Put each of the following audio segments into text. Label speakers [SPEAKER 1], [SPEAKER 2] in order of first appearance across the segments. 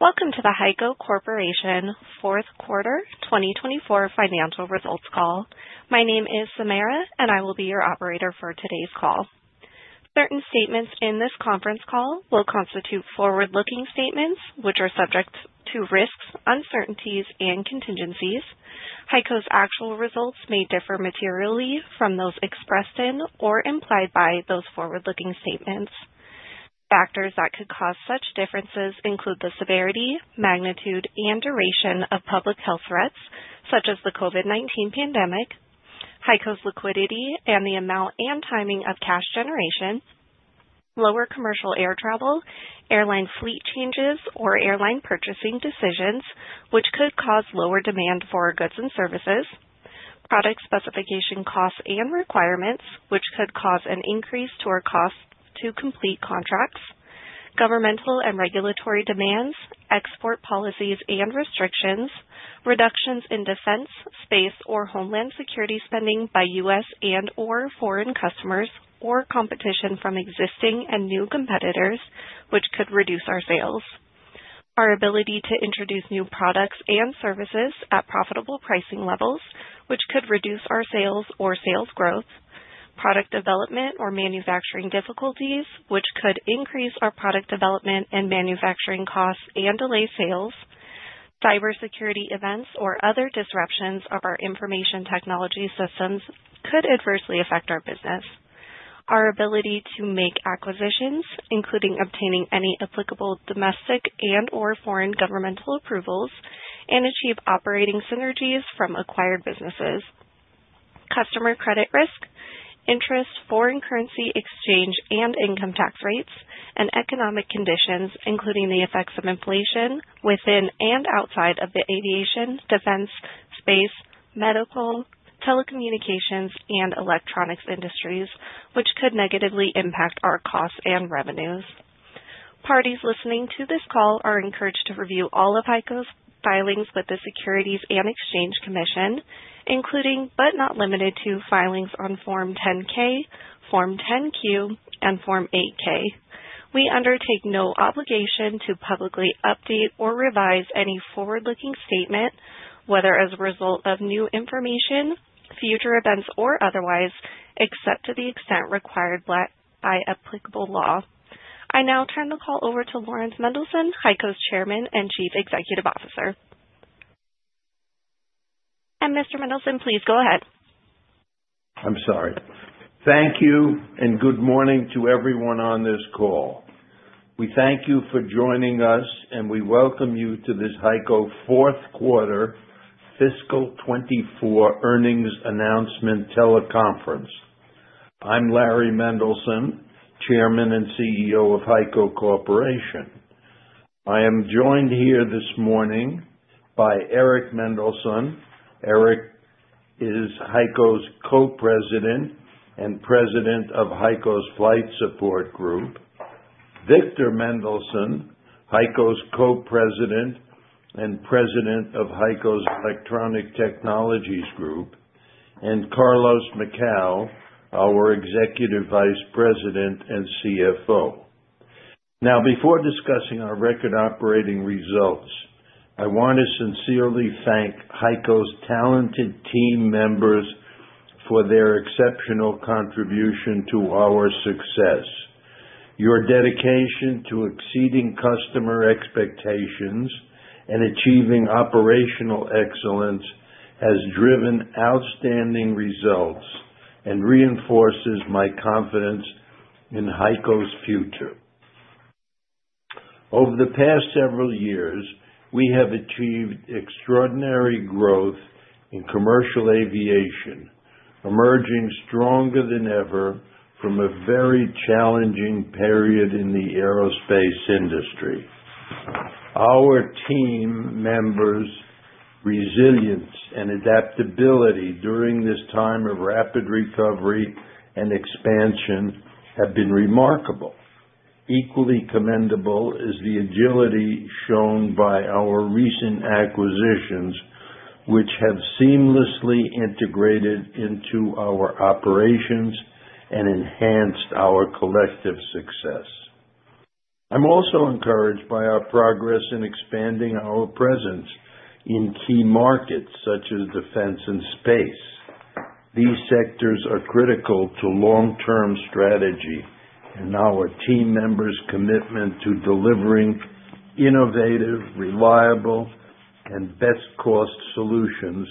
[SPEAKER 1] Welcome to the HEICO Corporation Fourth Quarter 2024 Financial Results Call. My name is Samara, and I will be your operator for today's call. Certain statements in this conference call will constitute forward-looking statements, which are subject to risks, uncertainties, and contingencies. HEICO's actual results may differ materially from those expressed in or implied by those forward-looking statements. Factors that could cause such differences include the severity, magnitude, and duration of public health threats, such as the COVID-19 pandemic. HEICO's liquidity and the amount and timing of cash generation. Lower commercial air travel. Airline fleet changes or airline purchasing decisions, which could cause lower demand for goods and services. Product specification costs and requirements, which could cause an increase to our costs to complete contracts. Governmental and regulatory demands. Export policies and restrictions. Reductions in defense, space, or homeland security spending by U.S. and/or foreign customers, or competition from existing and new competitors, which could reduce our sales, our ability to introduce new products and services at profitable pricing levels, which could reduce our sales or sales growth, product development or manufacturing difficulties, which could increase our product development and manufacturing costs and delay sales, cybersecurity events or other disruptions of our information technology systems could adversely affect our business, our ability to make acquisitions, including obtaining any applicable domestic and/or foreign governmental approvals, and achieve operating synergies from acquired businesses, customer credit risk, interest, foreign currency exchange and income tax rates, and economic conditions, including the effects of inflation within and outside of the aviation, defense, space, medical, telecommunications, and electronics industries, which could negatively impact our costs and revenues. Parties listening to this call are encouraged to review all of HEICO's filings with the Securities and Exchange Commission, including but not limited to filings on Form 10-K, Form 10-Q, and Form 8-K. We undertake no obligation to publicly update or revise any forward-looking statement, whether as a result of new information, future events, or otherwise, except to the extent required by applicable law. I now turn the call over to Lawrence Mendelson, HEICO's Chairman and Chief Executive Officer. And Mr. Mendelson, please go ahead.
[SPEAKER 2] I'm sorry. Thank you and good morning to everyone on this call. We thank you for joining us, and we welcome you to this HEICO Fourth Quarter Fiscal 2024 Earnings Announcement Teleconference. I'm Larry Mendelson, Chairman and CEO of HEICO Corporation. I am joined here this morning by Eric Mendelson, Eric is HEICO's Co-President and President of HEICO's Flight Support Group, Victor Mendelson, HEICO's Co-President and President of HEICO's Electronic Technologies Group, and Carlos Macau, our Executive Vice President and CFO. Now, before discussing our record operating results, I want to sincerely thank HEICO's talented team members for their exceptional contribution to our success. Your dedication to exceeding customer expectations and achieving operational excellence has driven outstanding results and reinforces my confidence in HEICO's future. Over the past several years, we have achieved extraordinary growth in commercial aviation, emerging stronger than ever from a very challenging period in the aerospace industry. Our team members' resilience and adaptability during this time of rapid recovery and expansion have been remarkable. Equally commendable is the agility shown by our recent acquisitions, which have seamlessly integrated into our operations and enhanced our collective success. I'm also encouraged by our progress in expanding our presence in key markets such as defense and space. These sectors are critical to long-term strategy, and our team members' commitment to delivering innovative, reliable, and best-cost solutions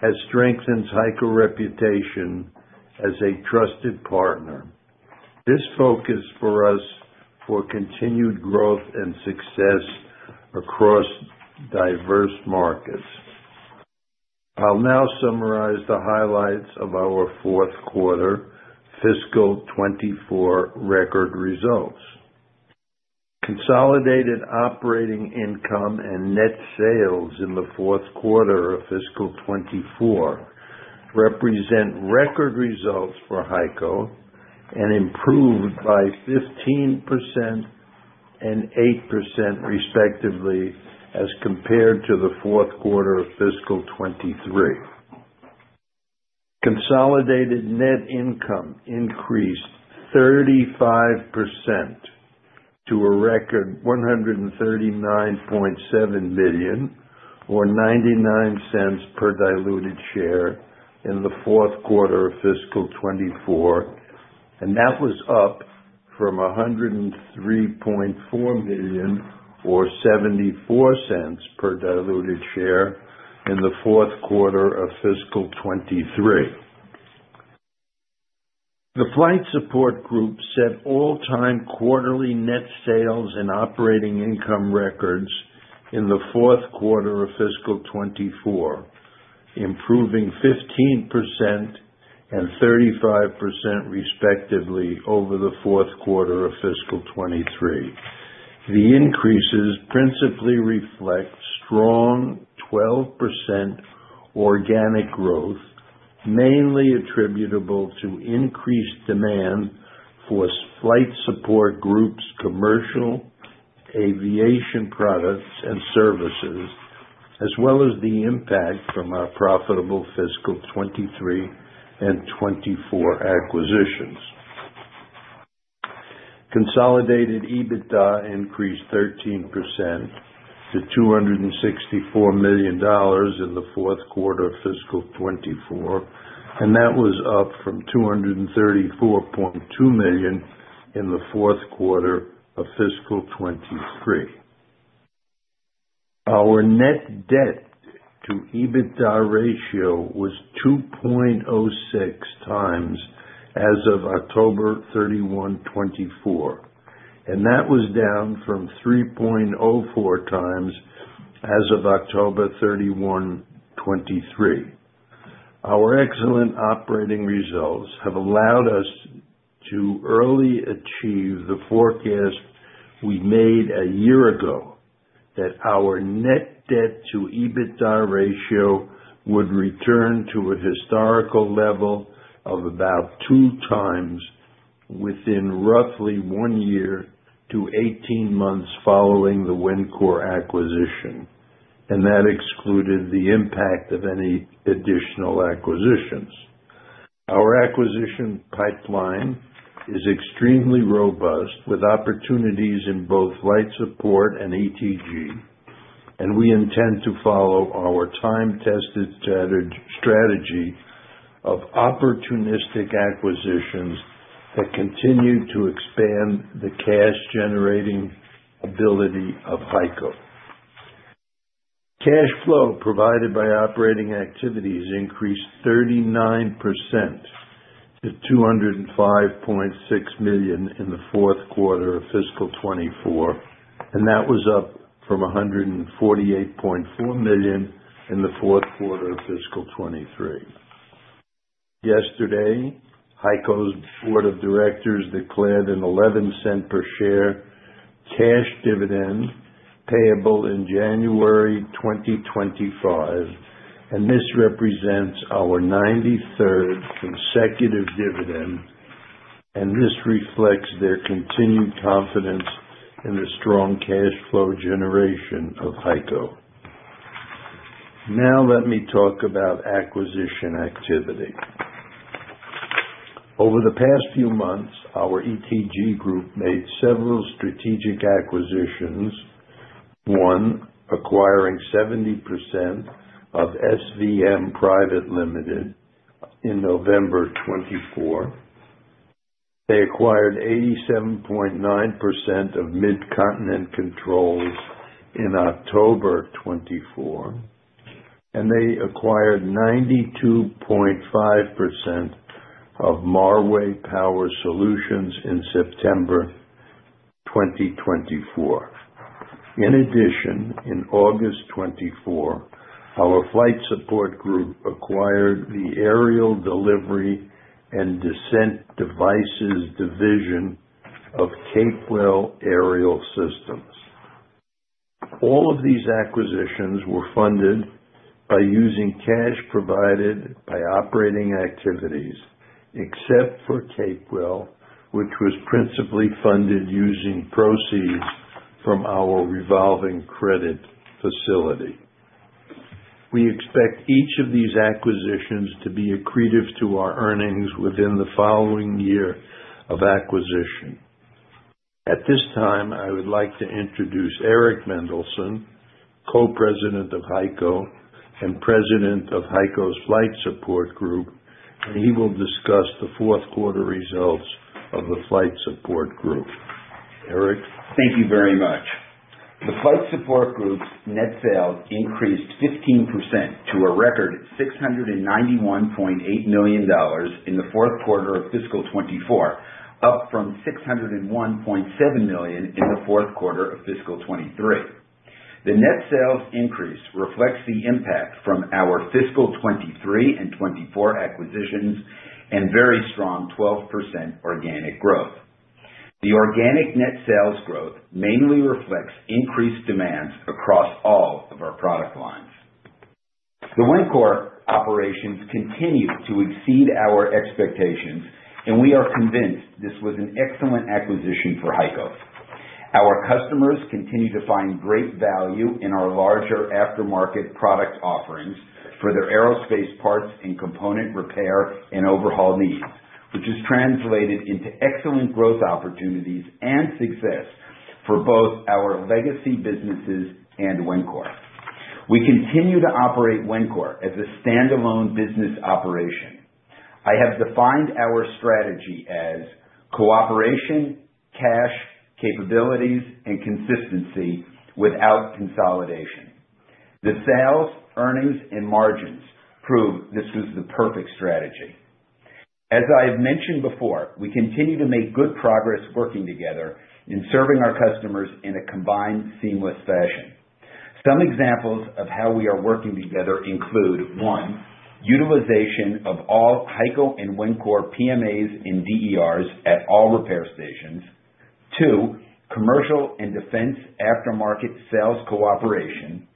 [SPEAKER 2] has strengthened HEICO's reputation as a trusted partner. This focus for us for continued growth and success across diverse markets. I'll now summarize the highlights of our fourth quarter fiscal 2024 record results. Consolidated operating income and net sales in the Fourth Quarter of Fiscal 24 represent record results for HEICO and improved by 15% and 8%, respectively, as compared to the Fourth Quarter of Fiscal 23. Consolidated net income increased 35% to a record $139.7 million, or $0.99 per diluted share, in the Fourth Quarter of Fiscal 24, and that was up from $103.4 million, or $0.74 per diluted share, in the Fourth Quarter of Fiscal 23. The Flight Support Group set all-time quarterly net sales and operating income records in the Fourth Quarter of Fiscal 24, improving 15% and 35%, respectively, over the Fourth Quarter of Fiscal 23. The increases principally reflect strong 12% organic growth, mainly attributable to increased demand for Flight Support Group's commercial aviation products and services, as well as the impact from our profitable Fiscal 23 and 24 acquisitions. Consolidated EBITDA increased 13% to $264 million in the fourth quarter of fiscal 2024, and that was up from $234.2 million in the fourth quarter of fiscal 2023. Our net debt-to-EBITDA ratio was 2.06 times as of October 31, 2024, and that was down from 3.04 times as of October 31, 2023. Our excellent operating results have allowed us to early achieve the forecast we made a year ago that our net debt-to-EBITDA ratio would return to a historical level of about two times within roughly one year to 18 months following the Wencor acquisition, and that excluded the impact of any additional acquisitions. Our acquisition pipeline is extremely robust, with opportunities in both Flight Support and ETG, and we intend to follow our time-tested strategy of opportunistic acquisitions that continue to expand the cash-generating ability of HEICO. Cash flow provided by operating activities increased 39% to $205.6 million in the fourth quarter of fiscal 2024, and that was up from $148.4 million in the fourth quarter of fiscal 2023. Yesterday, HEICO's Board of Directors declared an $0.11 per share cash dividend payable in January 2025, and this represents our 93rd consecutive dividend, and this reflects their continued confidence in the strong cash flow generation of HEICO. Now, let me talk about acquisition activity. Over the past few months, our ETG Group made several strategic acquisitions: one, acquiring 70% of SVM Private Limited in November 2024; they acquired 87.9% of Mid-Continent Controls in October 2024; and they acquired 92.5% of Marway Power Solutions in September 2024. In addition, in August 2024, our Flight Support Group acquired the Aerial Delivery and Descent Devices Division of Capewell Aerial Systems. All of these acquisitions were funded by using cash provided by operating activities, except for Capewell, which was principally funded using proceeds from our revolving credit facility. We expect each of these acquisitions to be accretive to our earnings within the following year of acquisition. At this time, I would like to introduce Eric Mendelson, Co-President of HEICO and President of HEICO's Flight Support Group, and he will discuss the Fourth Quarter results of the Flight Support Group. Eric.
[SPEAKER 3] Thank you very much. The Flight Support Group's net sales increased 15% to a record $691.8 million in the Fourth Quarter of Fiscal 2024, up from $601.7 million in the Fourth Quarter of Fiscal 2023. The net sales increase reflects the impact from our Fiscal 2023 and 2024 acquisitions and very strong 12% organic growth. The organic net sales growth mainly reflects increased demands across all of our product lines. The Wencor operations continue to exceed our expectations, and we are convinced this was an excellent acquisition for HEICO. Our customers continue to find great value in our larger aftermarket product offerings for their aerospace parts and component repair and overhaul needs, which has translated into excellent growth opportunities and success for both our legacy businesses and Wencor. We continue to operate Wencor as a standalone business operation. I have defined our strategy as cooperation, cash, capabilities, and consistency without consolidation. The sales, earnings, and margins prove this was the perfect strategy. As I have mentioned before, we continue to make good progress working together in serving our customers in a combined, seamless fashion. Some examples of how we are working together include: one, utilization of all HEICO and Wencor PMAs and DERs at all repair stations; two, commercial and defense aftermarket sales cooperation;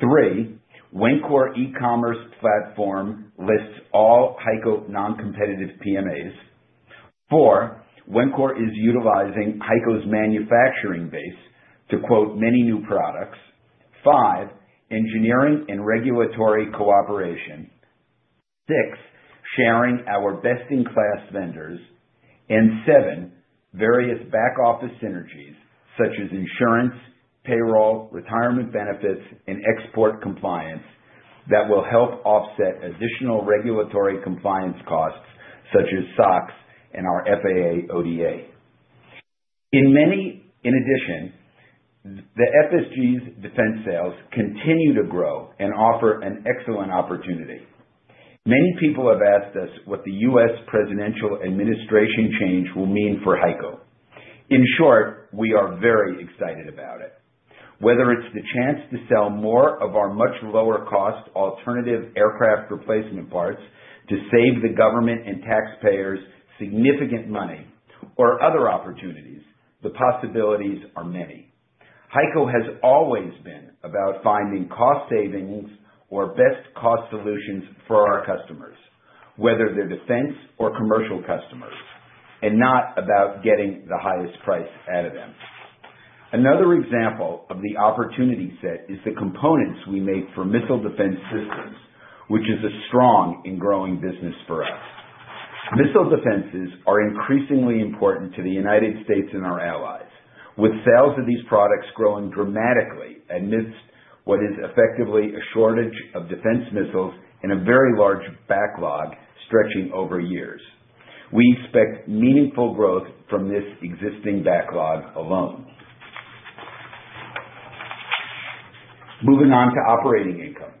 [SPEAKER 3] three, Wencor e-commerce platform lists all HEICO non-competitive PMAs; four, Wencor is utilizing HEICO's manufacturing base to quote many new products; five, engineering and regulatory cooperation; six, sharing our best-in-class vendors; and seven, various back-office synergies, such as insurance, payroll, retirement benefits, and export compliance, that will help offset additional regulatory compliance costs, such as SOX and our FAA ODA. In addition, the FSG's defense sales continue to grow and offer an excellent opportunity. Many people have asked us what the U.S. presidential administration change will mean for HEICO. In short, we are very excited about it. Whether it's the chance to sell more of our much lower-cost alternative aircraft replacement parts to save the government and taxpayers significant money or other opportunities, the possibilities are many. HEICO has always been about finding cost savings or best-cost solutions for our customers, whether they're defense or commercial customers, and not about getting the highest price out of them. Another example of the opportunity set is the components we make for missile defense systems, which is a strong and growing business for us. Missile defenses are increasingly important to the United States and our allies, with sales of these products growing dramatically amidst what is effectively a shortage of defense missiles and a very large backlog stretching over years. We expect meaningful growth from this existing backlog alone. Moving on to operating income.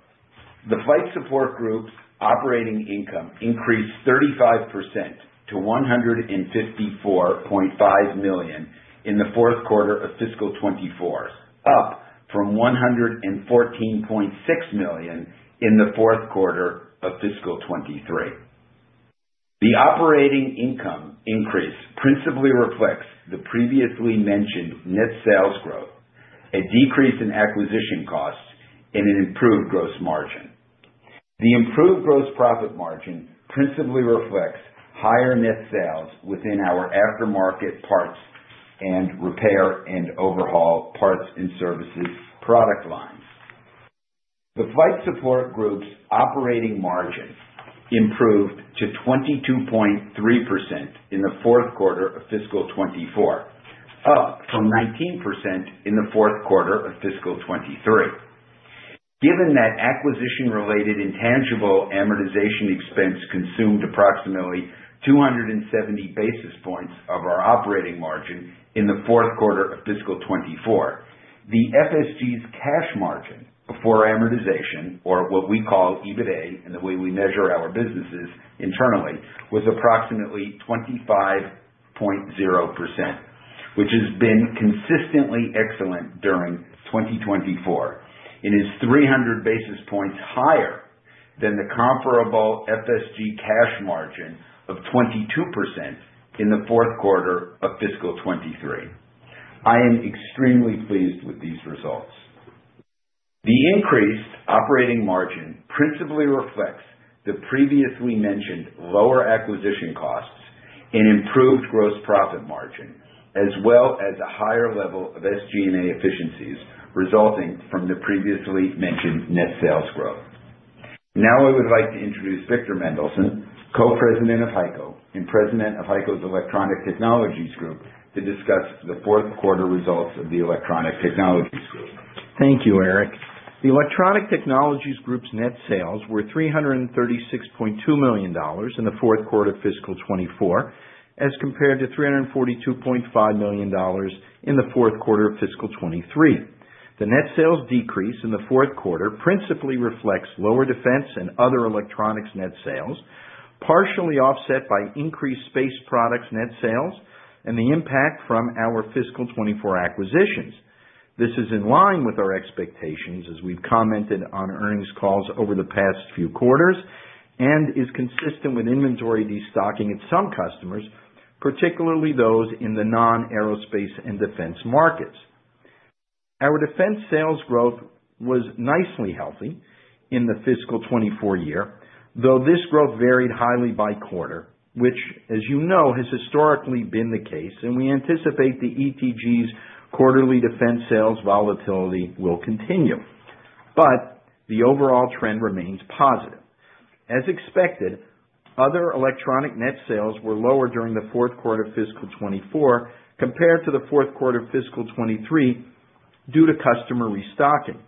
[SPEAKER 3] The Flight Support Group's operating income increased 35% to $154.5 million in the Fourth Quarter of Fiscal 2024, up from $114.6 million in the Fourth Quarter of Fiscal 2023. The operating income increase principally reflects the previously mentioned net sales growth, a decrease in acquisition costs, and an improved gross margin. The improved gross profit margin principally reflects higher net sales within our aftermarket parts and repair and overhaul parts and services product lines. The Flight Support Group's operating margin improved to 22.3% in the Fourth Quarter of Fiscal 2024, up from 19% in the Fourth Quarter of Fiscal 2023. Given that acquisition-related intangible amortization expense consumed approximately 270 basis points of our operating margin in the Fourth Quarter of Fiscal 2024, the FSG's cash margin before amortization, or what we call EBITA in the way we measure our businesses internally, was approximately 25.0%, which has been consistently excellent during 2024. It is 300 basis points higher than the comparable FSG cash margin of 22% in the Fourth Quarter of Fiscal 2023. I am extremely pleased with these results. The increased operating margin principally reflects the previously mentioned lower acquisition costs and improved gross profit margin, as well as a higher level of SG&A efficiencies resulting from the previously mentioned net sales growth. Now, I would like to introduce Victor Mendelson, Co-President of HEICO and President of HEICO's Electronic Technologies Group, to discuss the Fourth Quarter results of the Electronic Technologies Group.
[SPEAKER 4] Thank you, Eric. The Electronic Technologies Group's net sales were $336.2 million in the Fourth Quarter of Fiscal 2024, as compared to $342.5 million in the Fourth Quarter of Fiscal 2023. The net sales decrease in the Fourth Quarter principally reflects lower defense and other electronics net sales, partially offset by increased space products net sales and the impact from our Fiscal 2024 acquisitions. This is in line with our expectations, as we've commented on earnings calls over the past few quarters, and is consistent with inventory destocking at some customers, particularly those in the non-aerospace and defense markets. Our defense sales growth was nicely healthy in the Fiscal 2024 year, though this growth varied highly by quarter, which, as you know, has historically been the case, and we anticipate the ETG's quarterly defense sales volatility will continue, but the overall trend remains positive. As expected, other electronic net sales were lower during the Fourth Quarter of Fiscal 2024 compared to the Fourth Quarter of Fiscal 2023 due to customer restocking.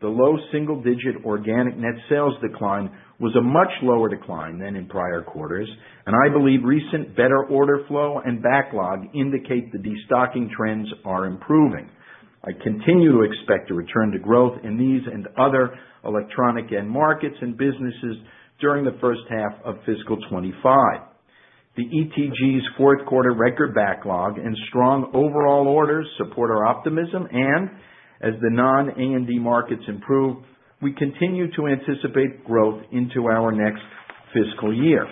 [SPEAKER 4] The low single-digit organic net sales decline was a much lower decline than in prior quarters, and I believe recent better order flow and backlog indicate the destocking trends are improving. I continue to expect a return to growth in these and other electronic end markets and businesses during the first half of Fiscal 2025. The ETG's Fourth Quarter record backlog and strong overall orders support our optimism, and as the non-A&D markets improve, we continue to anticipate growth into our next fiscal year.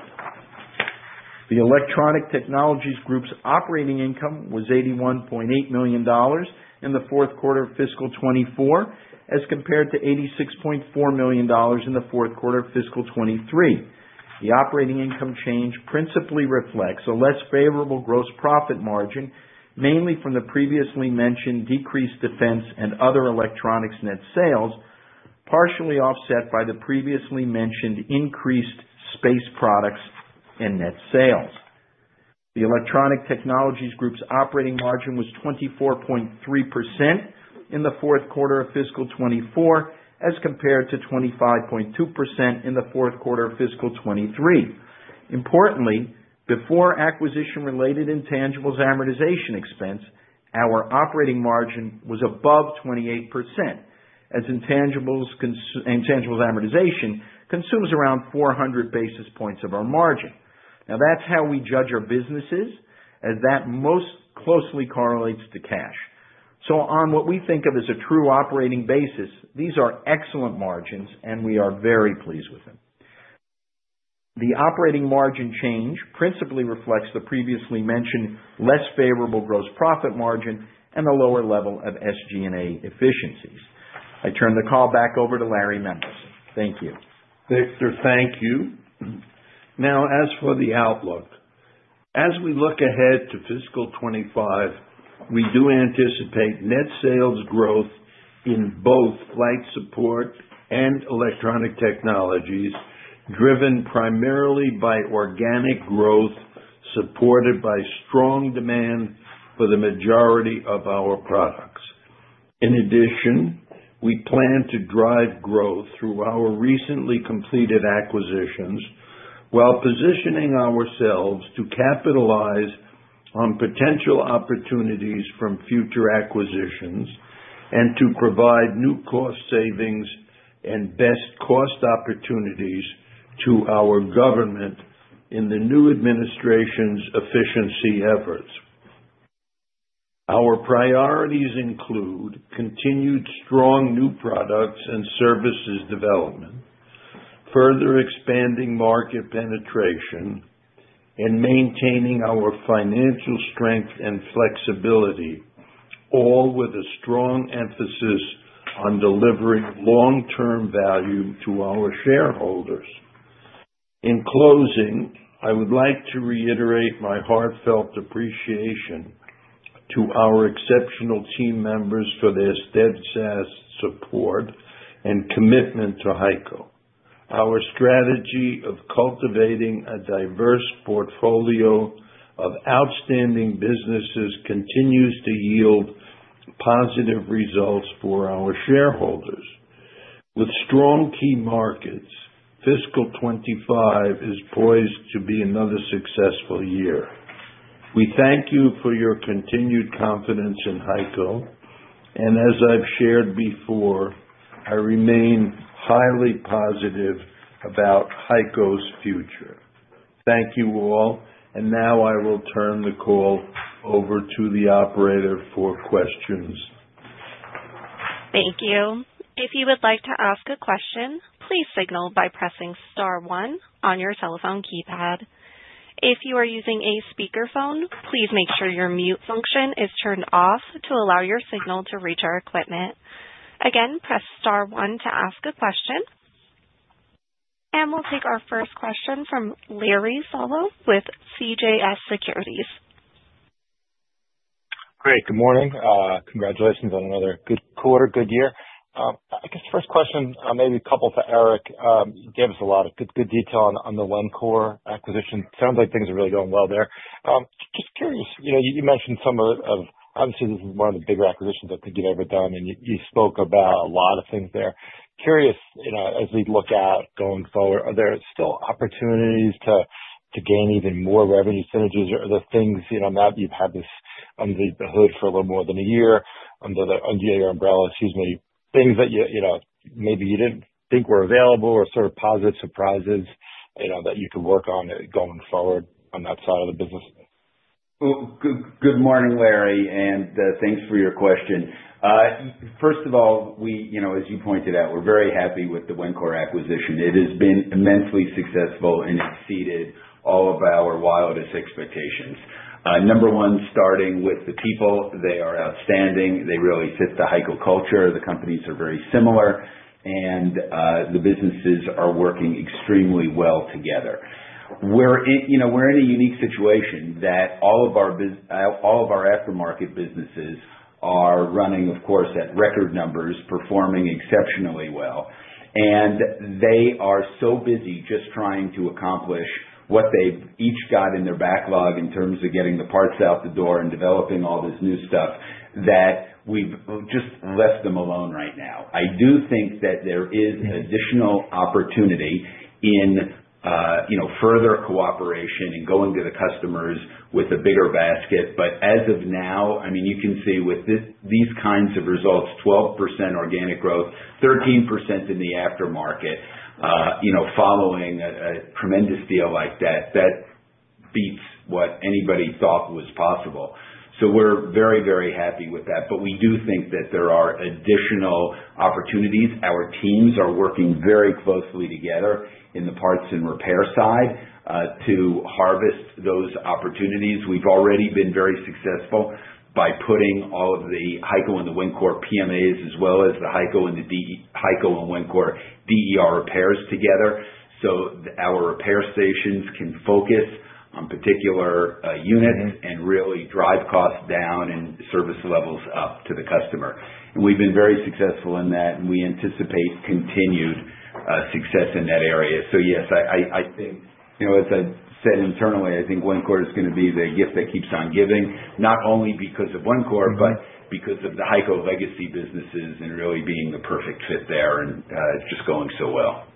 [SPEAKER 4] The Electronic Technologies Group's operating income was $81.8 million in the Fourth Quarter of Fiscal 2024, as compared to $86.4 million in the Fourth Quarter of Fiscal 2023. The operating income change principally reflects a less favorable gross profit margin, mainly from the previously mentioned decreased defense and other electronics net sales, partially offset by the previously mentioned increased space products and net sales. The Electronic Technologies Group's operating margin was 24.3% in the Fourth Quarter of Fiscal 2024, as compared to 25.2% in the Fourth Quarter of Fiscal 2023. Importantly, before acquisition-related intangibles amortization expense, our operating margin was above 28%, as intangibles amortization consumes around 400 basis points of our margin. Now, that's how we judge our businesses, as that most closely correlates to cash. So, on what we think of as a true operating basis, these are excellent margins, and we are very pleased with them. The operating margin change principally reflects the previously mentioned less favorable gross profit margin and a lower level of SG&A efficiencies. I turn the call back over to Larry Mendelson. Thank you.
[SPEAKER 2] Victor, thank you. Now, as for the outlook, as we look ahead to fiscal 2025, we do anticipate net sales growth in both Flight Support and Electronic Technologies, driven primarily by organic growth supported by strong demand for the majority of our products. In addition, we plan to drive growth through our recently completed acquisitions while positioning ourselves to capitalize on potential opportunities from future acquisitions and to provide new cost savings and best-cost opportunities to our government in the new administration's efficiency efforts. Our priorities include continued strong new products and services development, further expanding market penetration, and maintaining our financial strength and flexibility, all with a strong emphasis on delivering long-term value to our shareholders. In closing, I would like to reiterate my heartfelt appreciation to our exceptional team members for their steadfast support and commitment to HEICO. Our strategy of cultivating a diverse portfolio of outstanding businesses continues to yield positive results for our shareholders. With strong key markets, Fiscal 2025 is poised to be another successful year. We thank you for your continued confidence in HEICO, and as I've shared before, I remain highly positive about HEICO's future. Thank you all, and now I will turn the call over to the operator for questions.
[SPEAKER 1] Thank you. If you would like to ask a question, please signal by pressing star one on your telephone keypad. If you are using a speakerphone, please make sure your mute function is turned off to allow your signal to reach our equipment. Again, press star one to ask a question. And we'll take our first question from Larry Solow with CJS Securities.
[SPEAKER 5] Great. Good morning. Congratulations on another good quarter, good year. I guess the first question, maybe a couple for Eric. You gave us a lot of good detail on the Wencor acquisition. Sounds like things are really going well there. Just curious, you mentioned some of obviously, this is one of the bigger acquisitions I think you've ever done, and you spoke about a lot of things there. Curious, as we look at going forward, are there still opportunities to gain even more revenue synergies? Are there things now that you've had this under the hood for a little more than a year, under your umbrella, excuse me, things that maybe you didn't think were available or sort of positive surprises that you could work on going forward on that side of the business?
[SPEAKER 3] Good morning, Larry, and thanks for your question. First of all, as you pointed out, we're very happy with the Wencor acquisition. It has been immensely successful and exceeded all of our wildest expectations. Number one, starting with the people, they are outstanding. They really fit the HEICO culture. The companies are very similar, and the businesses are working extremely well together. We're in a unique situation that all of our aftermarket businesses are running, of course, at record numbers, performing exceptionally well. And they are so busy just trying to accomplish what they've each got in their backlog in terms of getting the parts out the door and developing all this new stuff that we've just left them alone right now. I do think that there is additional opportunity in further cooperation and going to the customers with a bigger basket. But as of now, I mean, you can see with these kinds of results, 12% organic growth, 13% in the aftermarket following a tremendous deal like that, that beats what anybody thought was possible. So we're very, very happy with that. But we do think that there are additional opportunities. Our teams are working very closely together in the parts and repair side to harvest those opportunities. We've already been very successful by putting all of the HEICO and the Wencor PMAs, as well as the HEICO and Wencor DER repairs together, so our repair stations can focus on particular units and really drive costs down and service levels up to the customer. And we've been very successful in that, and we anticipate continued success in that area. So yes, I think, as I said internally, I think Wencor is going to be the gift that keeps on giving, not only because of Wencor, but because of the HEICO legacy businesses and really being the perfect fit there, and it's just going so well.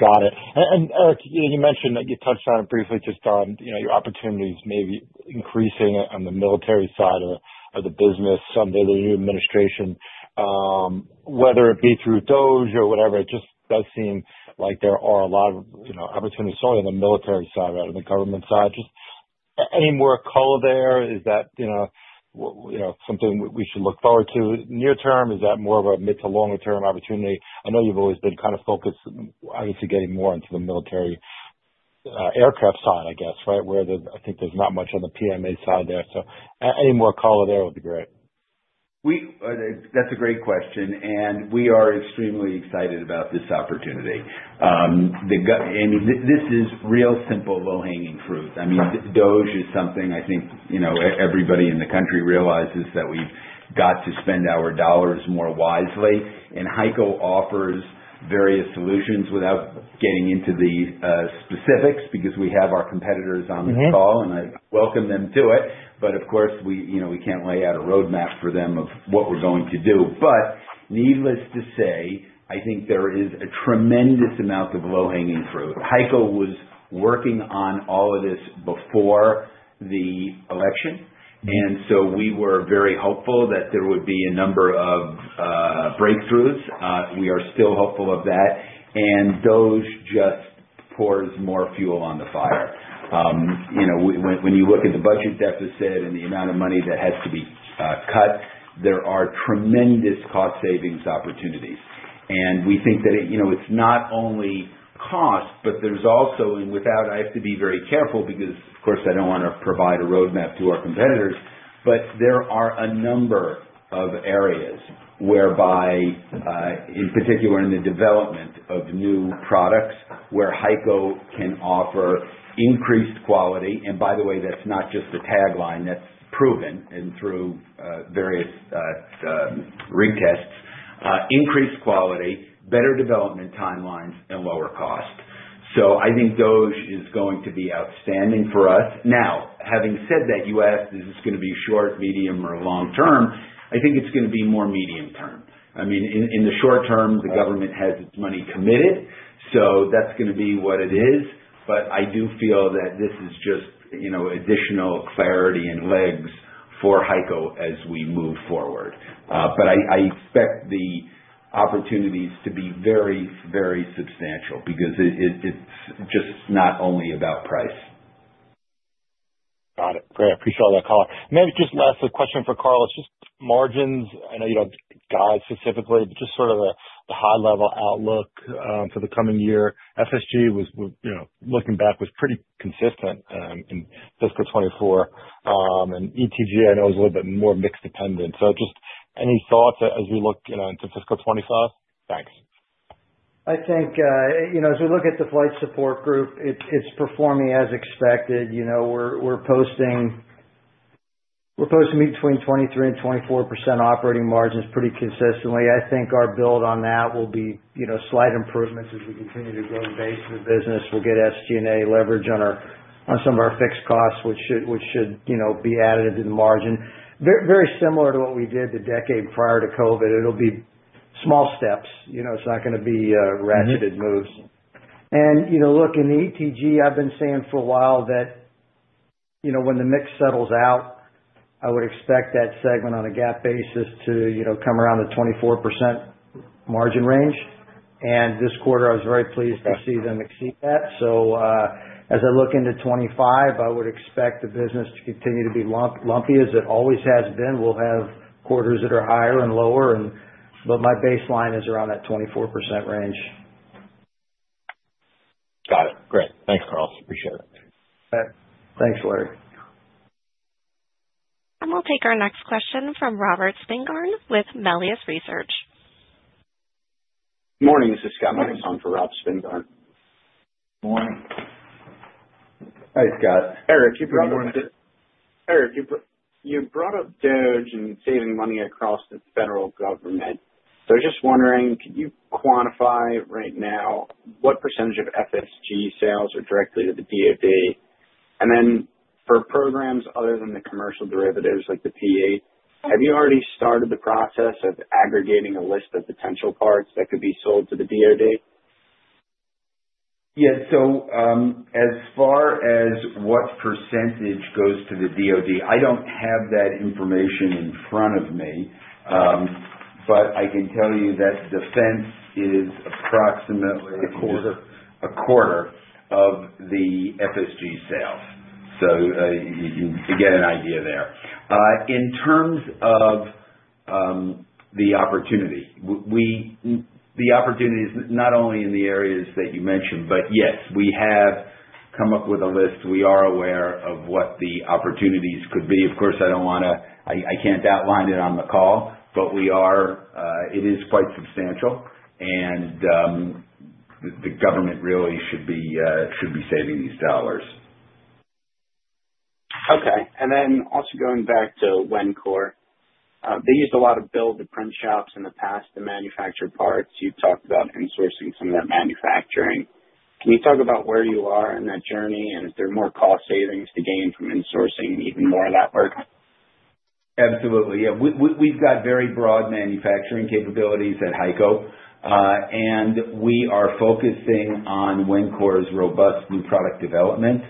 [SPEAKER 6] Got it. And Eric, you mentioned that you touched on it briefly, just on your opportunities, maybe increasing on the military side of the business under the new administration, whether it be through DOGE or whatever. It just does seem like there are a lot of opportunities solely on the military side rather than the government side. Just any more color there? Is that something we should look forward to near term? Is that more of a mid- to longer-term opportunity? I know you've always been kind of focused, obviously, getting more into the military aircraft side, I guess, right, where I think there's not much on the PMA side there. So any more color there would be great.
[SPEAKER 3] That's a great question, and we are extremely excited about this opportunity. I mean, this is real simple low-hanging fruit. I mean, DOGE is something I think everybody in the country realizes that we've got to spend our dollars more wisely. And HEICO offers various solutions without getting into the specifics because we have our competitors on the call, and I welcome them to it. But of course, we can't lay out a roadmap for them of what we're going to do. But needless to say, I think there is a tremendous amount of low-hanging fruit. HEICO was working on all of this before the election, and so we were very hopeful that there would be a number of breakthroughs. We are still hopeful of that. And DOGE just pours more fuel on the fire. When you look at the budget deficit and the amount of money that has to be cut, there are tremendous cost savings opportunities, and we think that it's not only cost, but there's also, and without, I have to be very careful because, of course, I don't want to provide a roadmap to our competitors, but there are a number of areas whereby, in particular, in the development of new products where HEICO can offer increased quality, and by the way, that's not just a tagline. That's proven through various ring tests: increased quality, better development timelines, and lower cost, so I think DOGE is going to be outstanding for us. Now, having said that, you asked, is this going to be short, medium, or long-term? I think it's going to be more medium-term. I mean, in the short term, the government has its money committed, so that's going to be what it is. But I do feel that this is just additional clarity and legs for HEICO as we move forward. But I expect the opportunities to be very, very substantial because it's just not only about price.
[SPEAKER 5] Got it. Great. I appreciate all that call. Maybe just last question for Carlos. Just margins. I know you don't guide specifically, but just sort of the high-level outlook for the coming year. FSG, looking back, was pretty consistent in Fiscal 2024. And ETG, I know, was a little bit more mixed dependent. So just any thoughts as we look into Fiscal 2025? Thanks.
[SPEAKER 7] I think as we look at the Flight Support Group, it's performing as expected. We're posting 23%-24% operating margins pretty consistently. I think our build on that will be slight improvements as we continue to grow the base of the business. We'll get SG&A leverage on some of our fixed costs, which should be added into the margin. Very similar to what we did the decade prior to COVID. It'll be small steps. It's not going to be ratcheted moves, and look, in the ETG, I've been saying for a while that when the mix settles out, I would expect that segment on a GAAP basis to come around the 24% margin range, and this quarter, I was very pleased to see them exceed that, so as I look into 2025, I would expect the business to continue to be lumpy as it always has been. We'll have quarters that are higher and lower, but my baseline is around that 24% range.
[SPEAKER 6] Got it. Great. Thanks, Lawrence. Appreciate it.
[SPEAKER 2] Thanks, Larry.
[SPEAKER 1] We'll take our next question from Robert Spingarn with Melius Research.
[SPEAKER 5] Good morning. This is Scott Mikus for Rob Spingarn.
[SPEAKER 3] Good morning. Hi, Scott.
[SPEAKER 5] Eric, you brought up DOGE and saving money across the federal government. So I was just wondering, could you quantify right now what percentage of FSG sales are directly to the DOD? And then for programs other than the commercial derivatives like the P-8, have you already started the process of aggregating a list of potential parts that could be sold to the DOD?
[SPEAKER 3] Yeah. So as far as what percentage goes to the DOD, I don't have that information in front of me, but I can tell you that defense is approximately—
[SPEAKER 5] A quarter.
[SPEAKER 3] A quarter of the FSG sales. So you get an idea there. In terms of the opportunity, the opportunity is not only in the areas that you mentioned, but yes, we have come up with a list. We are aware of what the opportunities could be. Of course, I don't want to - I can't outline it on the call, but it is quite substantial, and the government really should be saving these dollars.
[SPEAKER 5] Okay. And then also going back to Wencor, they used a lot of build-to-print shops in the past to manufacture parts. You talked about insourcing some of that manufacturing. Can you talk about where you are in that journey, and is there more cost savings to gain from insourcing even more of that work?
[SPEAKER 3] Absolutely. Yeah. We've got very broad manufacturing capabilities at HEICO, and we are focusing on Wencor's robust new product development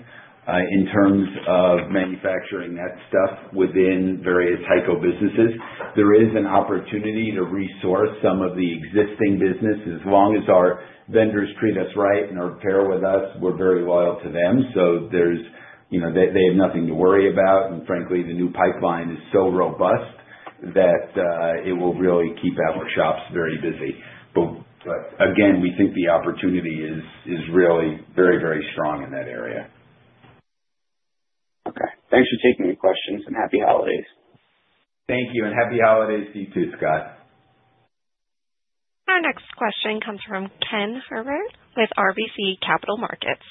[SPEAKER 3] in terms of manufacturing that stuff within various HEICO businesses. There is an opportunity to resource some of the existing business. As long as our vendors treat us right and are fair with us, we're very loyal to them. So they have nothing to worry about. And frankly, the new pipeline is so robust that it will really keep our shops very busy. But again, we think the opportunity is really very, very strong in that area.
[SPEAKER 5] Okay. Thanks for taking the questions and happy holidays.
[SPEAKER 3] Thank you, and happy holidays to you too, Scott.
[SPEAKER 1] Our next question comes from Ken Herbert with RBC Capital Markets.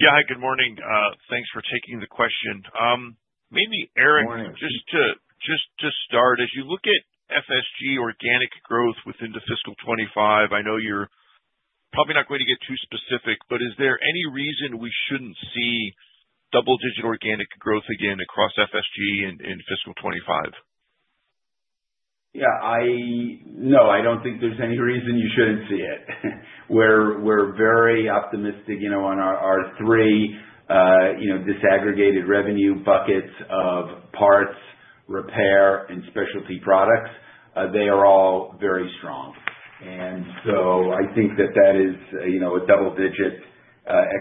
[SPEAKER 8] Yeah. Hi, good morning. Thanks for taking the question. Maybe Eric, just to start, as you look at FSG organic growth within the fiscal 2025, I know you're probably not going to get too specific, but is there any reason we shouldn't see double-digit organic growth again across FSG in fiscal 2025?
[SPEAKER 3] Yeah. No, I don't think there's any reason you shouldn't see it. We're very optimistic on our three disaggregated revenue buckets of parts, repair, and specialty products. They are all very strong. And so I think that that is a double-digit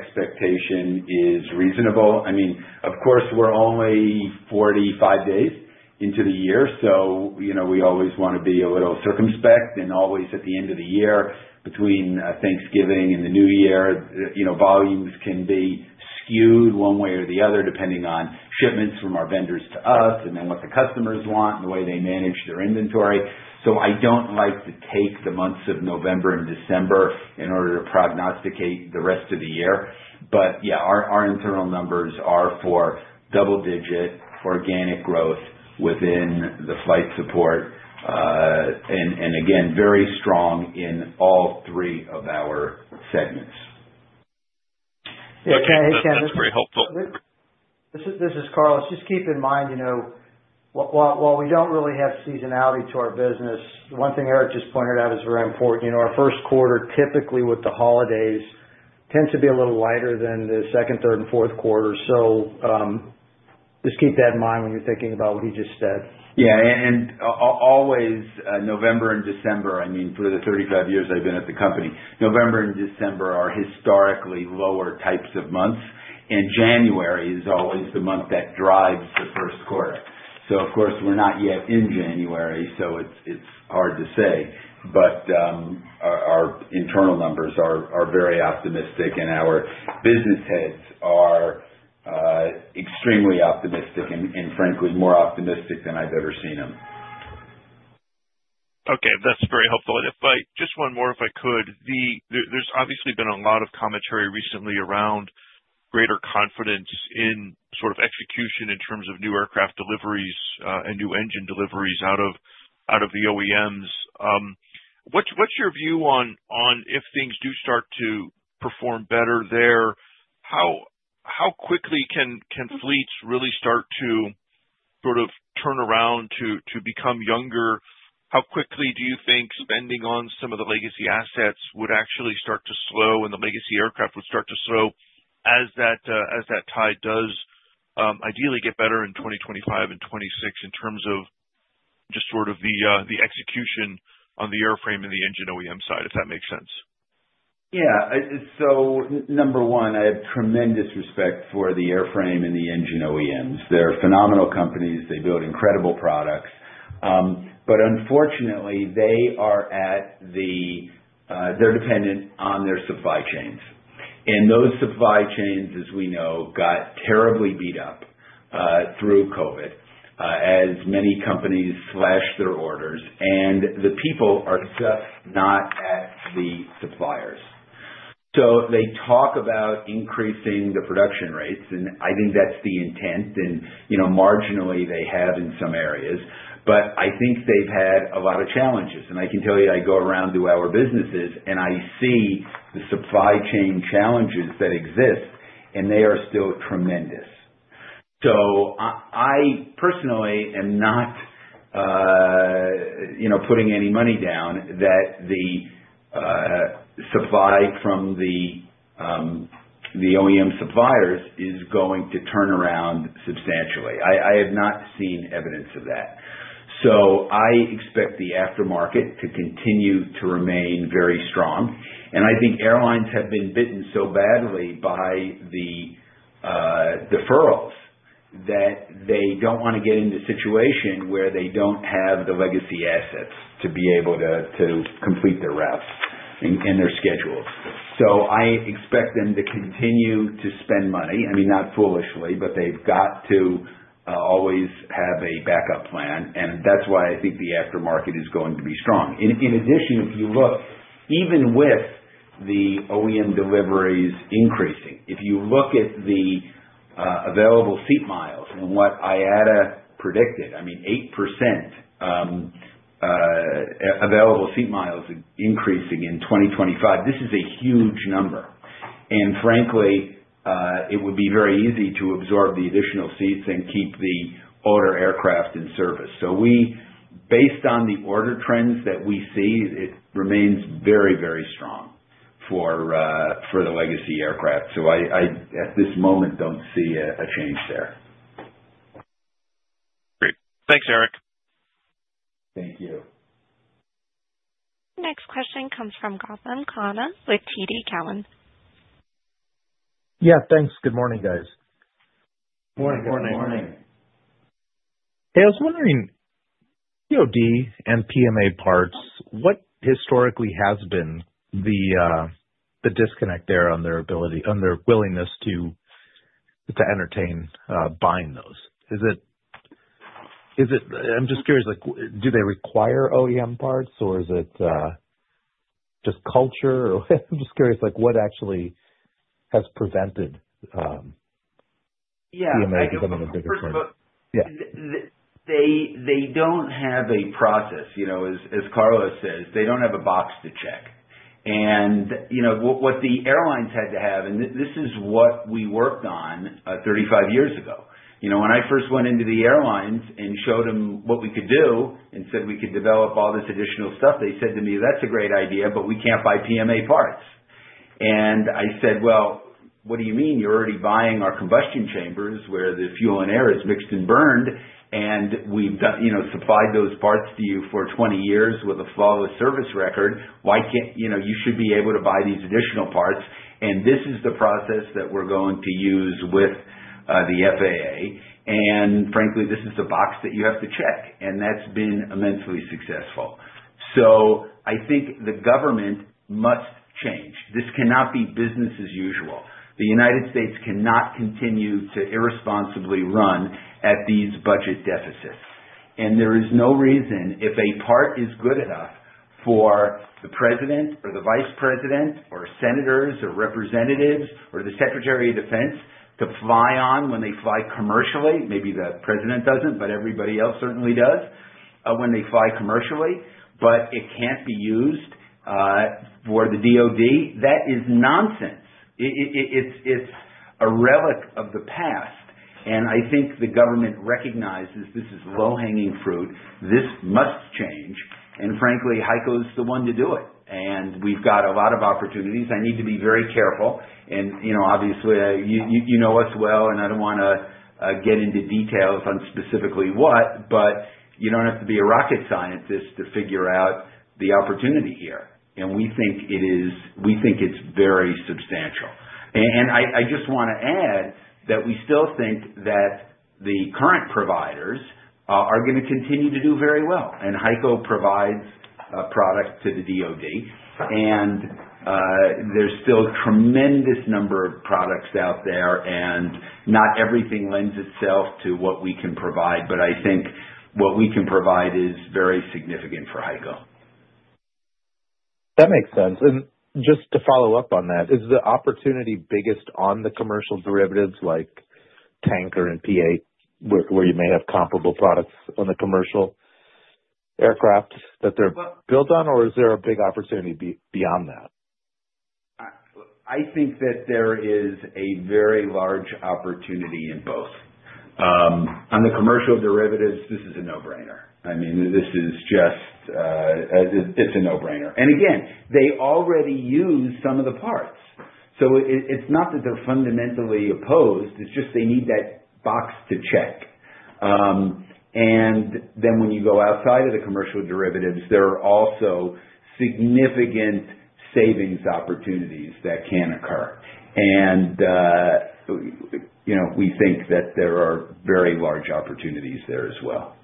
[SPEAKER 3] expectation is reasonable. I mean, of course, we're only 45 days into the year, so we always want to be a little circumspect and always at the end of the year between Thanksgiving and the New Year. Volumes can be skewed one way or the other depending on shipments from our vendors to us and then what the customers want and the way they manage their inventory. So I don't like to take the months of November and December in order to prognosticate the rest of the year. But yeah, our internal numbers are for double-digit organic growth within the flight support and, again, very strong in all three of our segments.
[SPEAKER 7] This is Carlos. Just keep in mind, while we don't really have seasonality to our business, one thing Eric just pointed out is very important. Our first quarter, typically with the holidays, tends to be a little lighter than the second, third, and fourth quarter. So just keep that in mind when you're thinking about what he just said.
[SPEAKER 3] Yeah. And always November and December, I mean, for the 35 years I've been at the company, November and December are historically lower types of months, and January is always the month that drives the first quarter. So of course, we're not yet in January, so it's hard to say. But our internal numbers are very optimistic, and our business heads are extremely optimistic and, frankly, more optimistic than I've ever seen them.
[SPEAKER 8] Okay. That's very helpful. And just one more, if I could. There's obviously been a lot of commentary recently around greater confidence in sort of execution in terms of new aircraft deliveries and new engine deliveries out of the OEMs. What's your view on if things do start to perform better there? How quickly can fleets really start to sort of turn around to become younger? How quickly do you think spending on some of the legacy assets would actually start to slow and the legacy aircraft would start to slow as that tide does ideally get better in 2025 and 2026 in terms of just sort of the execution on the airframe and the engine OEM side, if that makes sense?
[SPEAKER 3] Yeah. So number one, I have tremendous respect for the airframe and the engine OEMs. They're phenomenal companies. They build incredible products. But unfortunately, they are dependent on their supply chains. And those supply chains, as we know, got terribly beat up through COVID as many companies slashed their orders. And the people are just not at the suppliers. So they talk about increasing the production rates, and I think that's the intent. And marginally, they have in some areas. But I think they've had a lot of challenges. And I can tell you, I go around to our businesses, and I see the supply chain challenges that exist, and they are still tremendous. So I personally am not putting any money down that the supply from the OEM suppliers is going to turn around substantially. I have not seen evidence of that. So I expect the aftermarket to continue to remain very strong. And I think airlines have been bitten so badly by the deferrals that they don't want to get in the situation where they don't have the legacy assets to be able to complete their routes and their schedules. So I expect them to continue to spend money. I mean, not foolishly, but they've got to always have a backup plan. And that's why I think the aftermarket is going to be strong. In addition, if you look, even with the OEM deliveries increasing, if you look at the available seat miles and what IATA predicted, I mean, 8% available seat miles increasing in 2025. This is a huge number. And frankly, it would be very easy to absorb the additional seats and keep the older aircraft in service. So based on the order trends that we see, it remains very, very strong for the legacy aircraft. So I, at this moment, don't see a change there.
[SPEAKER 8] Great. Thanks, Eric.
[SPEAKER 3] Thank you.
[SPEAKER 1] Next question comes from Gautam Khanna with TD Cowen.
[SPEAKER 9] Yeah. Thanks. Good morning, guys.
[SPEAKER 2] Good morning.
[SPEAKER 3] Good morning.
[SPEAKER 9] Hey, I was wondering, DOD and PMA parts, what historically has been the disconnect there on their willingness to entertain buying those? I'm just curious, do they require OEM parts, or is it just culture? I'm just curious what actually has prevented PMA becoming a bigger player?
[SPEAKER 3] Yeah. They don't have a process. As Carlos says, they don't have a box to check. And what the airlines had to have, and this is what we worked on 35 years ago, when I first went into the airlines and showed them what we could do and said we could develop all this additional stuff, they said to me, "That's a great idea, but we can't buy PMA parts." And I said, "Well, what do you mean? You're already buying our combustion chambers where the fuel and air is mixed and burned, and we've supplied those parts to you for 20 years with a flawless service record. You should be able to buy these additional parts. And this is the process that we're going to use with the FAA. And frankly, this is the box that you have to check." And that's been immensely successful. So I think the government must change. This cannot be business as usual. The United States cannot continue to irresponsibly run at these budget deficits. And there is no reason if a part is good enough for the president or the vice president or senators or representatives or the secretary of defense to fly on when they fly commercially. Maybe the president doesn't, but everybody else certainly does when they fly commercially. But it can't be used for the DOD. That is nonsense. It's a relic of the past. And I think the government recognizes this is low-hanging fruit. This must change. And frankly, HEICO is the one to do it. And we've got a lot of opportunities. I need to be very careful. And obviously, you know us well, and I don't want to get into details on specifically what, but you don't have to be a rocket scientist to figure out the opportunity here. And we think it's very substantial. And I just want to add that we still think that the current providers are going to continue to do very well. And HEICO provides product to the DOD. And there's still a tremendous number of products out there, and not everything lends itself to what we can provide. But I think what we can provide is very significant for HEICO.
[SPEAKER 9] That makes sense. And just to follow up on that, is the opportunity biggest on the commercial derivatives like Tanker and P-8, where you may have comparable products on the commercial aircraft that they're built on, or is there a big opportunity beyond that?
[SPEAKER 3] I think that there is a very large opportunity in both. On the commercial derivatives, this is a no-brainer. I mean, this is just. It's a no-brainer. And again, they already use some of the parts. So it's not that they're fundamentally opposed. It's just they need that box to check. And then when you go outside of the commercial derivatives, there are also significant savings opportunities that can occur. And we think that there are very large opportunities there as well.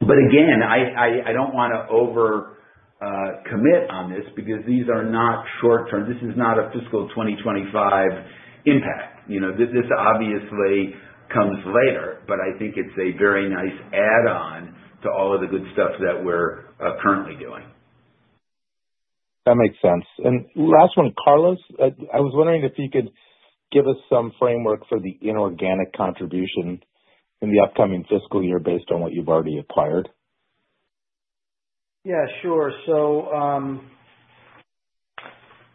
[SPEAKER 3] But again, I don't want to overcommit on this because these are not short-term. This is not a fiscal 2025 impact. This obviously comes later, but I think it's a very nice add-on to all of the good stuff that we're currently doing.
[SPEAKER 9] That makes sense. And last one, Carlos, I was wondering if you could give us some framework for the inorganic contribution in the upcoming fiscal year based on what you've already acquired?
[SPEAKER 7] Yeah. Sure. So I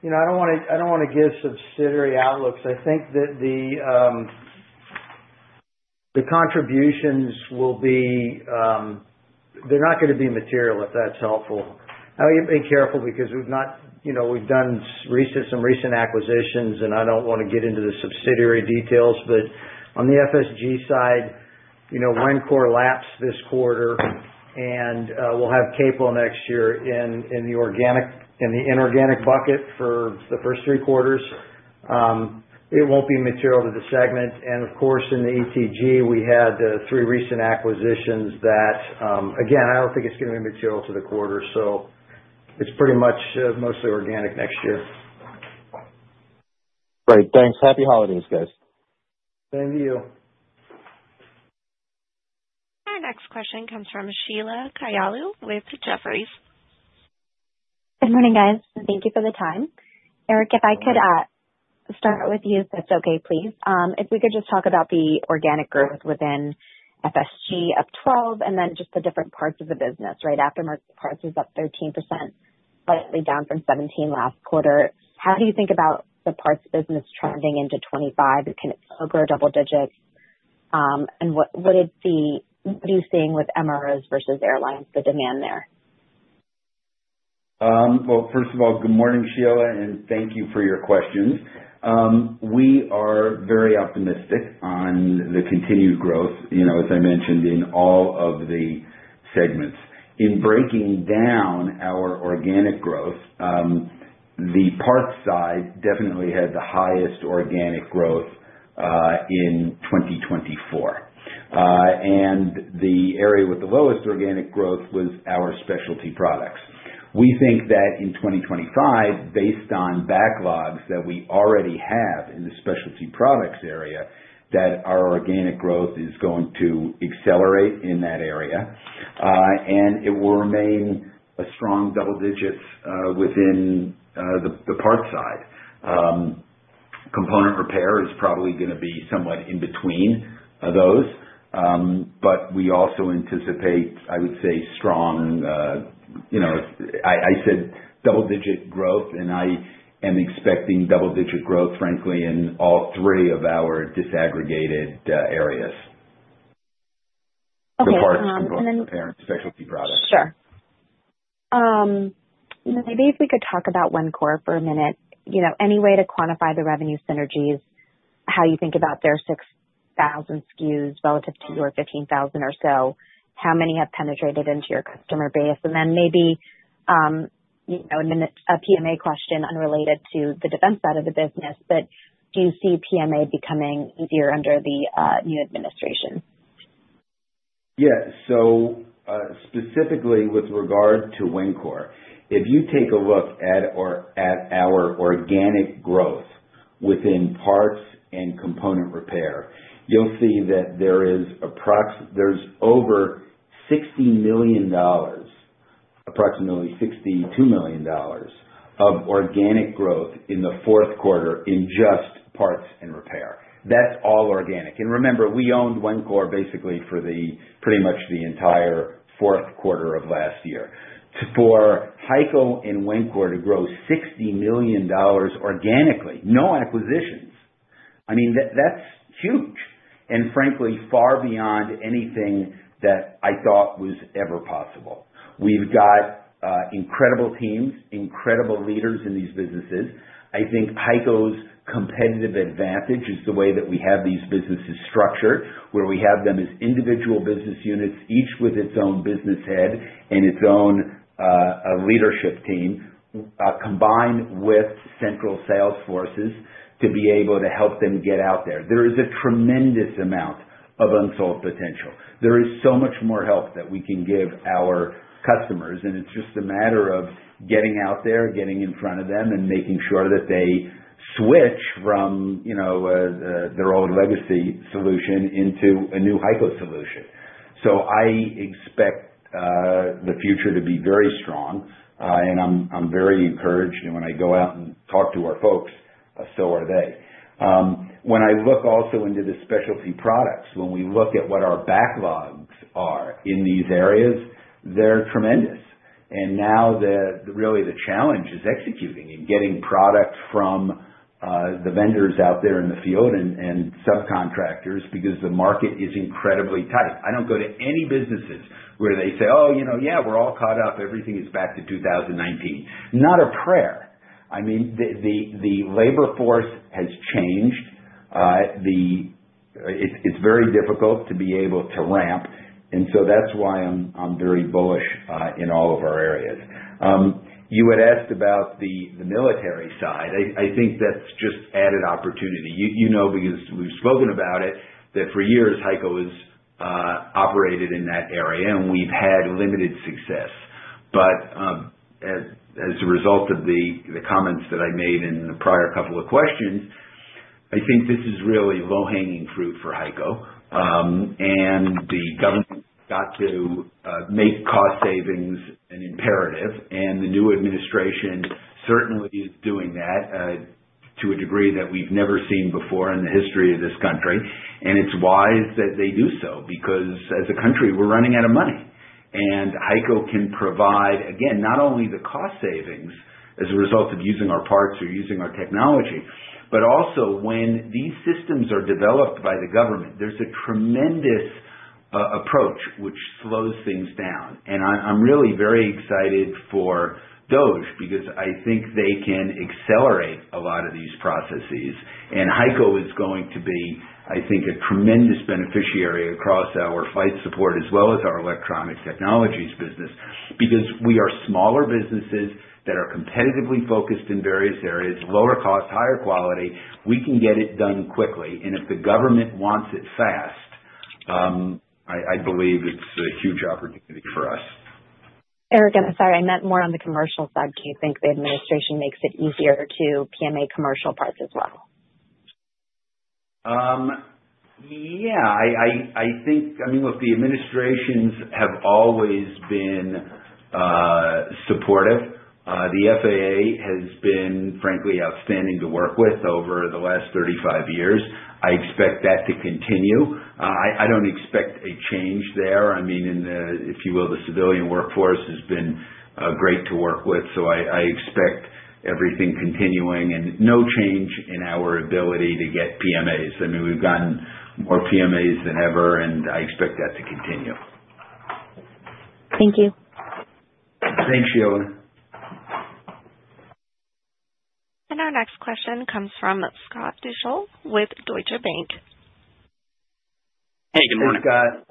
[SPEAKER 7] don't want to give subsidiary outlooks. I think that the contributions will be, they're not going to be material, if that's helpful. I've been careful because we've done some recent acquisitions, and I don't want to get into the subsidiary details. But on the FSG side, Wencor lapsed this quarter, and we'll have Capewell next year in the inorganic bucket for the first three quarters. It won't be material to the segment. And of course, in the ETG, we had three recent acquisitions that, again, I don't think it's going to be material to the quarter. So it's pretty much mostly organic next year.
[SPEAKER 9] Great. Thanks. Happy holidays, guys.
[SPEAKER 2] Same to you.
[SPEAKER 1] Our next question comes from Sheila Kahyaoglu with Jefferies.
[SPEAKER 10] Good morning, guys. Thank you for the time. Eric, if I could start with you, if that's okay, please. If we could just talk about the organic growth within FSG of 12% and then just the different parts of the business. Right? Aftermarket parts is up 13%, slightly down from 17% last quarter. How do you think about the parts business trending into 2025? Can it still grow double digits? And what are you seeing with MROs versus airlines, the demand there?
[SPEAKER 3] First of all, good morning, Sheila, and thank you for your questions. We are very optimistic on the continued growth, as I mentioned, in all of the segments. In breaking down our organic growth, the parts side definitely had the highest organic growth in 2024. The area with the lowest organic growth was our specialty products. We think that in 2025, based on backlogs that we already have in the specialty products area, that our organic growth is going to accelerate in that area. It will remain a strong double digits within the parts side. Component repair is probably going to be somewhat in between those. But we also anticipate, I would say, strong. I said double-digit growth, and I am expecting double-digit growth, frankly, in all three of our disaggregated areas. The parts, component repair, and specialty products.
[SPEAKER 10] Sure. Maybe if we could talk about Wencor for a minute. Any way to quantify the revenue synergies, how you think about their 6,000 SKUs relative to your 15,000 or so, how many have penetrated into your customer base? And then maybe a PMA question unrelated to the defense side of the business, but do you see PMA becoming easier under the new administration?
[SPEAKER 3] Yeah. So specifically with regard to Wencor, if you take a look at our organic growth within parts and component repair, you'll see that there's over $60 million, approximately $62 million, of organic growth in the fourth quarter in just parts and repair. That's all organic. And remember, we owned Wencor basically for pretty much the entire fourth quarter of last year. For HEICO and Wencor to grow $60 million organically, no acquisitions. I mean, that's huge. And frankly, far beyond anything that I thought was ever possible. We've got incredible teams, incredible leaders in these businesses. I think HEICO's competitive advantage is the way that we have these businesses structured, where we have them as individual business units, each with its own business head and its own leadership team, combined with central sales forces to be able to help them get out there. There is a tremendous amount of unsold potential. There is so much more help that we can give our customers, and it's just a matter of getting out there, getting in front of them, and making sure that they switch from their old legacy solution into a new HEICO solution, so I expect the future to be very strong, and I'm very encouraged, and when I go out and talk to our folks, so are they. When I look also into the specialty products, when we look at what our backlogs are in these areas, they're tremendous, and now really the challenge is executing and getting product from the vendors out there in the field and subcontractors because the market is incredibly tight. I don't go to any businesses where they say, "Oh, yeah, we're all caught up. Everything is back to 2019." Not a prayer. I mean, the labor force has changed. It's very difficult to be able to ramp. And so that's why I'm very bullish in all of our areas. You had asked about the military side. I think that's just added opportunity. You know because we've spoken about it, that for years, HEICO has operated in that area, and we've had limited success. But as a result of the comments that I made in the prior couple of questions, I think this is really low-hanging fruit for HEICO. And the government got to make cost savings an imperative. And the new administration certainly is doing that to a degree that we've never seen before in the history of this country. And it's wise that they do so because, as a country, we're running out of money. HEICO can provide, again, not only the cost savings as a result of using our parts or using our technology, but also when these systems are developed by the government, there's a tremendous approach which slows things down. I'm really very excited for DOGE because I think they can accelerate a lot of these processes. HEICO is going to be, I think, a tremendous beneficiary across our flight support as well as our electronic technologies business because we are smaller businesses that are competitively focused in various areas, lower cost, higher quality. We can get it done quickly. If the government wants it fast, I believe it's a huge opportunity for us.
[SPEAKER 10] Eric, I'm sorry. I meant more on the commercial side. Do you think the administration makes it easier to PMA commercial parts as well?
[SPEAKER 3] Yeah. I mean, look, the administrations have always been supportive. The FAA has been, frankly, outstanding to work with over the last 35 years. I expect that to continue. I don't expect a change there. I mean, if you will, the civilian workforce has been great to work with. So I expect everything continuing and no change in our ability to get PMAs. I mean, we've gotten more PMAs than ever, and I expect that to continue.
[SPEAKER 10] Thank you.
[SPEAKER 3] Thanks, Sheila.
[SPEAKER 1] Our next question comes from Scott Deuschle with Deutsche Bank.
[SPEAKER 11] Hey, good morning.
[SPEAKER 3] Hey, Scott.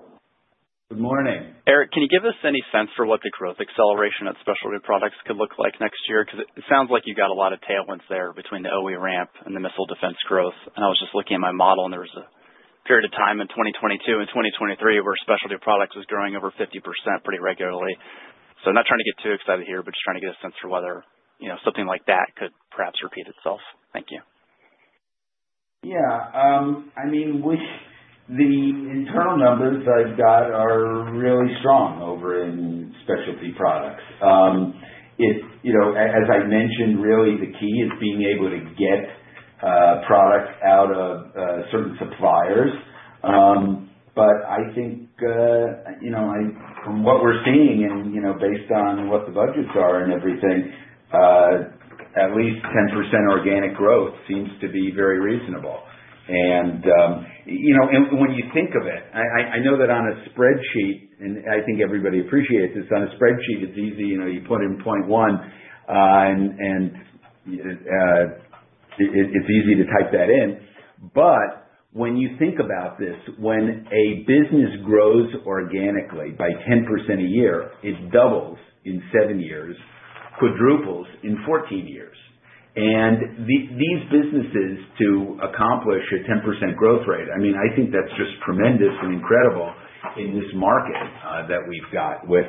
[SPEAKER 3] Good morning.
[SPEAKER 11] Eric, can you give us any sense for what the growth acceleration at specialty products could look like next year? Because it sounds like you've got a lot of tailwinds there between the OE ramp and the missile defense growth. And I was just looking at my model, and there was a period of time in 2022 and 2023 where specialty products was growing over 50% pretty regularly. So I'm not trying to get too excited here, but just trying to get a sense for whether something like that could perhaps repeat itself. Thank you.
[SPEAKER 3] Yeah. I mean, the internal numbers that I've got are really strong over in specialty products. As I mentioned, really, the key is being able to get product out of certain suppliers. But I think from what we're seeing and based on what the budgets are and everything, at least 10% organic growth seems to be very reasonable. And when you think of it, I know that on a spreadsheet, and I think everybody appreciates this, on a spreadsheet, it's easy. You put in point one, and it's easy to type that in. But when you think about this, when a business grows organically by 10% a year, it doubles in seven years, quadruples in 14 years. And these businesses, to accomplish a 10% growth rate, I mean, I think that's just tremendous and incredible in this market that we've got with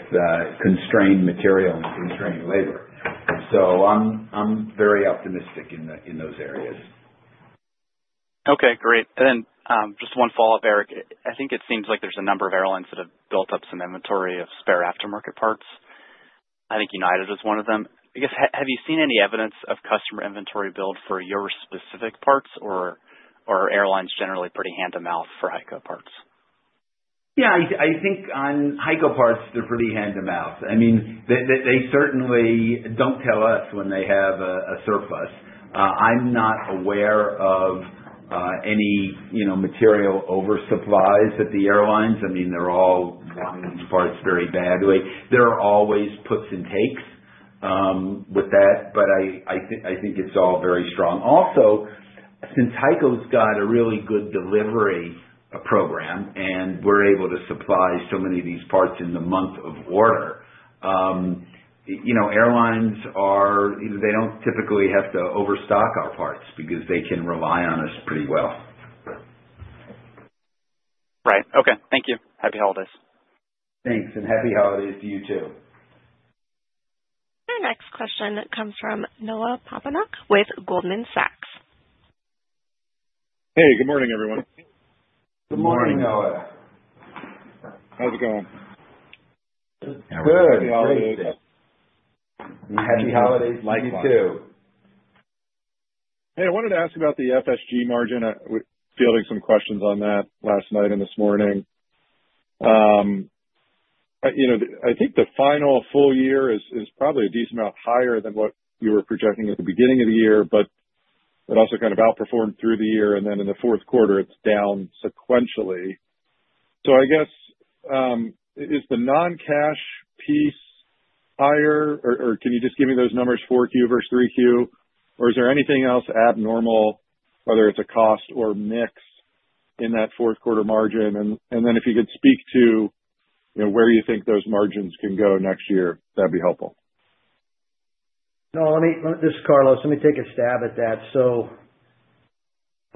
[SPEAKER 3] constrained material and constrained labor. So I'm very optimistic in those areas.
[SPEAKER 11] Okay. Great. And then just one follow-up, Eric. I think it seems like there's a number of airlines that have built up some inventory of spare aftermarket parts. I think United is one of them. I guess, have you seen any evidence of customer inventory build for your specific parts, or are airlines generally pretty hand-to-mouth for HEICO parts?
[SPEAKER 3] Yeah. I think on HEICO parts, they're pretty hand-to-mouth. I mean, they certainly don't tell us when they have a surplus. I'm not aware of any material oversupplies at the airlines. I mean, they're all wanting these parts very badly. There are always puts and takes with that, but I think it's all very strong. Also, since HEICO's got a really good delivery program and we're able to supply so many of these parts in the month of order, airlines, they don't typically have to overstock our parts because they can rely on us pretty well.
[SPEAKER 11] Right. Okay. Thank you. Happy holidays.
[SPEAKER 3] Thanks. And happy holidays to you too.
[SPEAKER 1] Our next question comes from Noah Poponak with Goldman Sachs.
[SPEAKER 12] Hey. Good morning, everyone.
[SPEAKER 2] Good morning, Noah.
[SPEAKER 12] How's it going?
[SPEAKER 2] Good.
[SPEAKER 3] Good. Good.
[SPEAKER 12] Happy holidays.
[SPEAKER 3] Likewise.
[SPEAKER 4] You too.
[SPEAKER 12] Hey, I wanted to ask about the FSG margin. We were fielding some questions on that last night and this morning. I think the final full year is probably a decent amount higher than what you were projecting at the beginning of the year, but it also kind of outperformed through the year. And then in the fourth quarter, it's down sequentially. So I guess, is the non-cash piece higher, or can you just give me those numbers, 4Q versus 3Q? Or is there anything else abnormal, whether it's a cost or mix in that fourth quarter margin? And then if you could speak to where you think those margins can go next year, that'd be helpful.
[SPEAKER 7] No. This is Carlos. Let me take a stab at that, so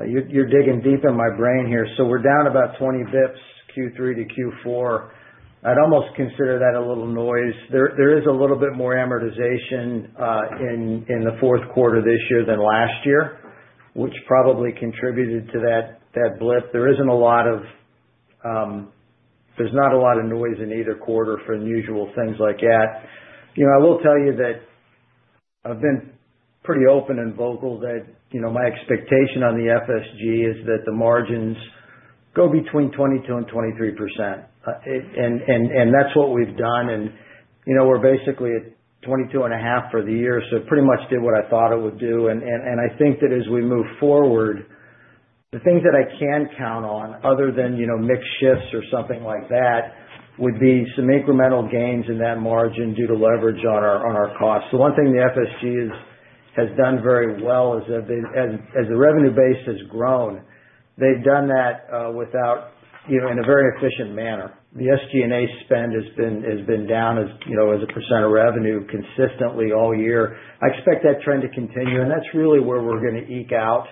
[SPEAKER 7] you're digging deep in my brain here, so we're down about 20 basis points Q3 to Q4. I'd almost consider that a little noise. There is a little bit more amortization in the fourth quarter this year than last year, which probably contributed to that blip. There's not a lot of noise in either quarter for unusual things like that. I will tell you that I've been pretty open and vocal that my expectation on the FSG is that the margins go between 22% and 23%, and that's what we've done, and we're basically at 22.5% for the year, so it pretty much did what I thought it would do. And I think that as we move forward, the things that I can count on other than mixed shifts or something like that would be some incremental gains in that margin due to leverage on our costs. The one thing the FSG has done very well is that as the revenue base has grown, they've done that without, in a very efficient manner. The SG&A spend has been down as a % of revenue consistently all year. I expect that trend to continue. And that's really where we're going to eke out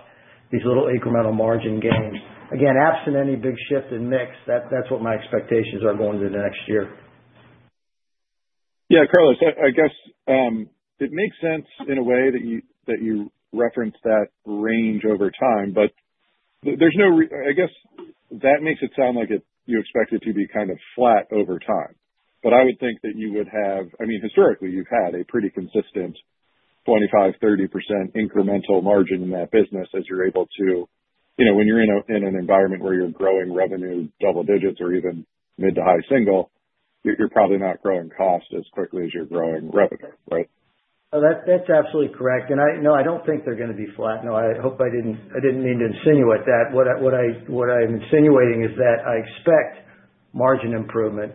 [SPEAKER 7] these little incremental margin gains. Again, absent any big shift in mix, that's what my expectations are going into next year.
[SPEAKER 12] Yeah. Carlos, I guess it makes sense in a way that you referenced that range over time, but I guess that makes it sound like you expect it to be kind of flat over time. But I would think that you would have—I mean, historically, you've had a pretty consistent 25%-30% incremental margin in that business as you're able to—when you're in an environment where you're growing revenue double digits or even mid to high single, you're probably not growing cost as quickly as you're growing revenue, right?
[SPEAKER 7] Oh, that's absolutely correct. And no, I don't think they're going to be flat. No, I hope I didn't mean to insinuate that. What I'm insinuating is that I expect margin improvement.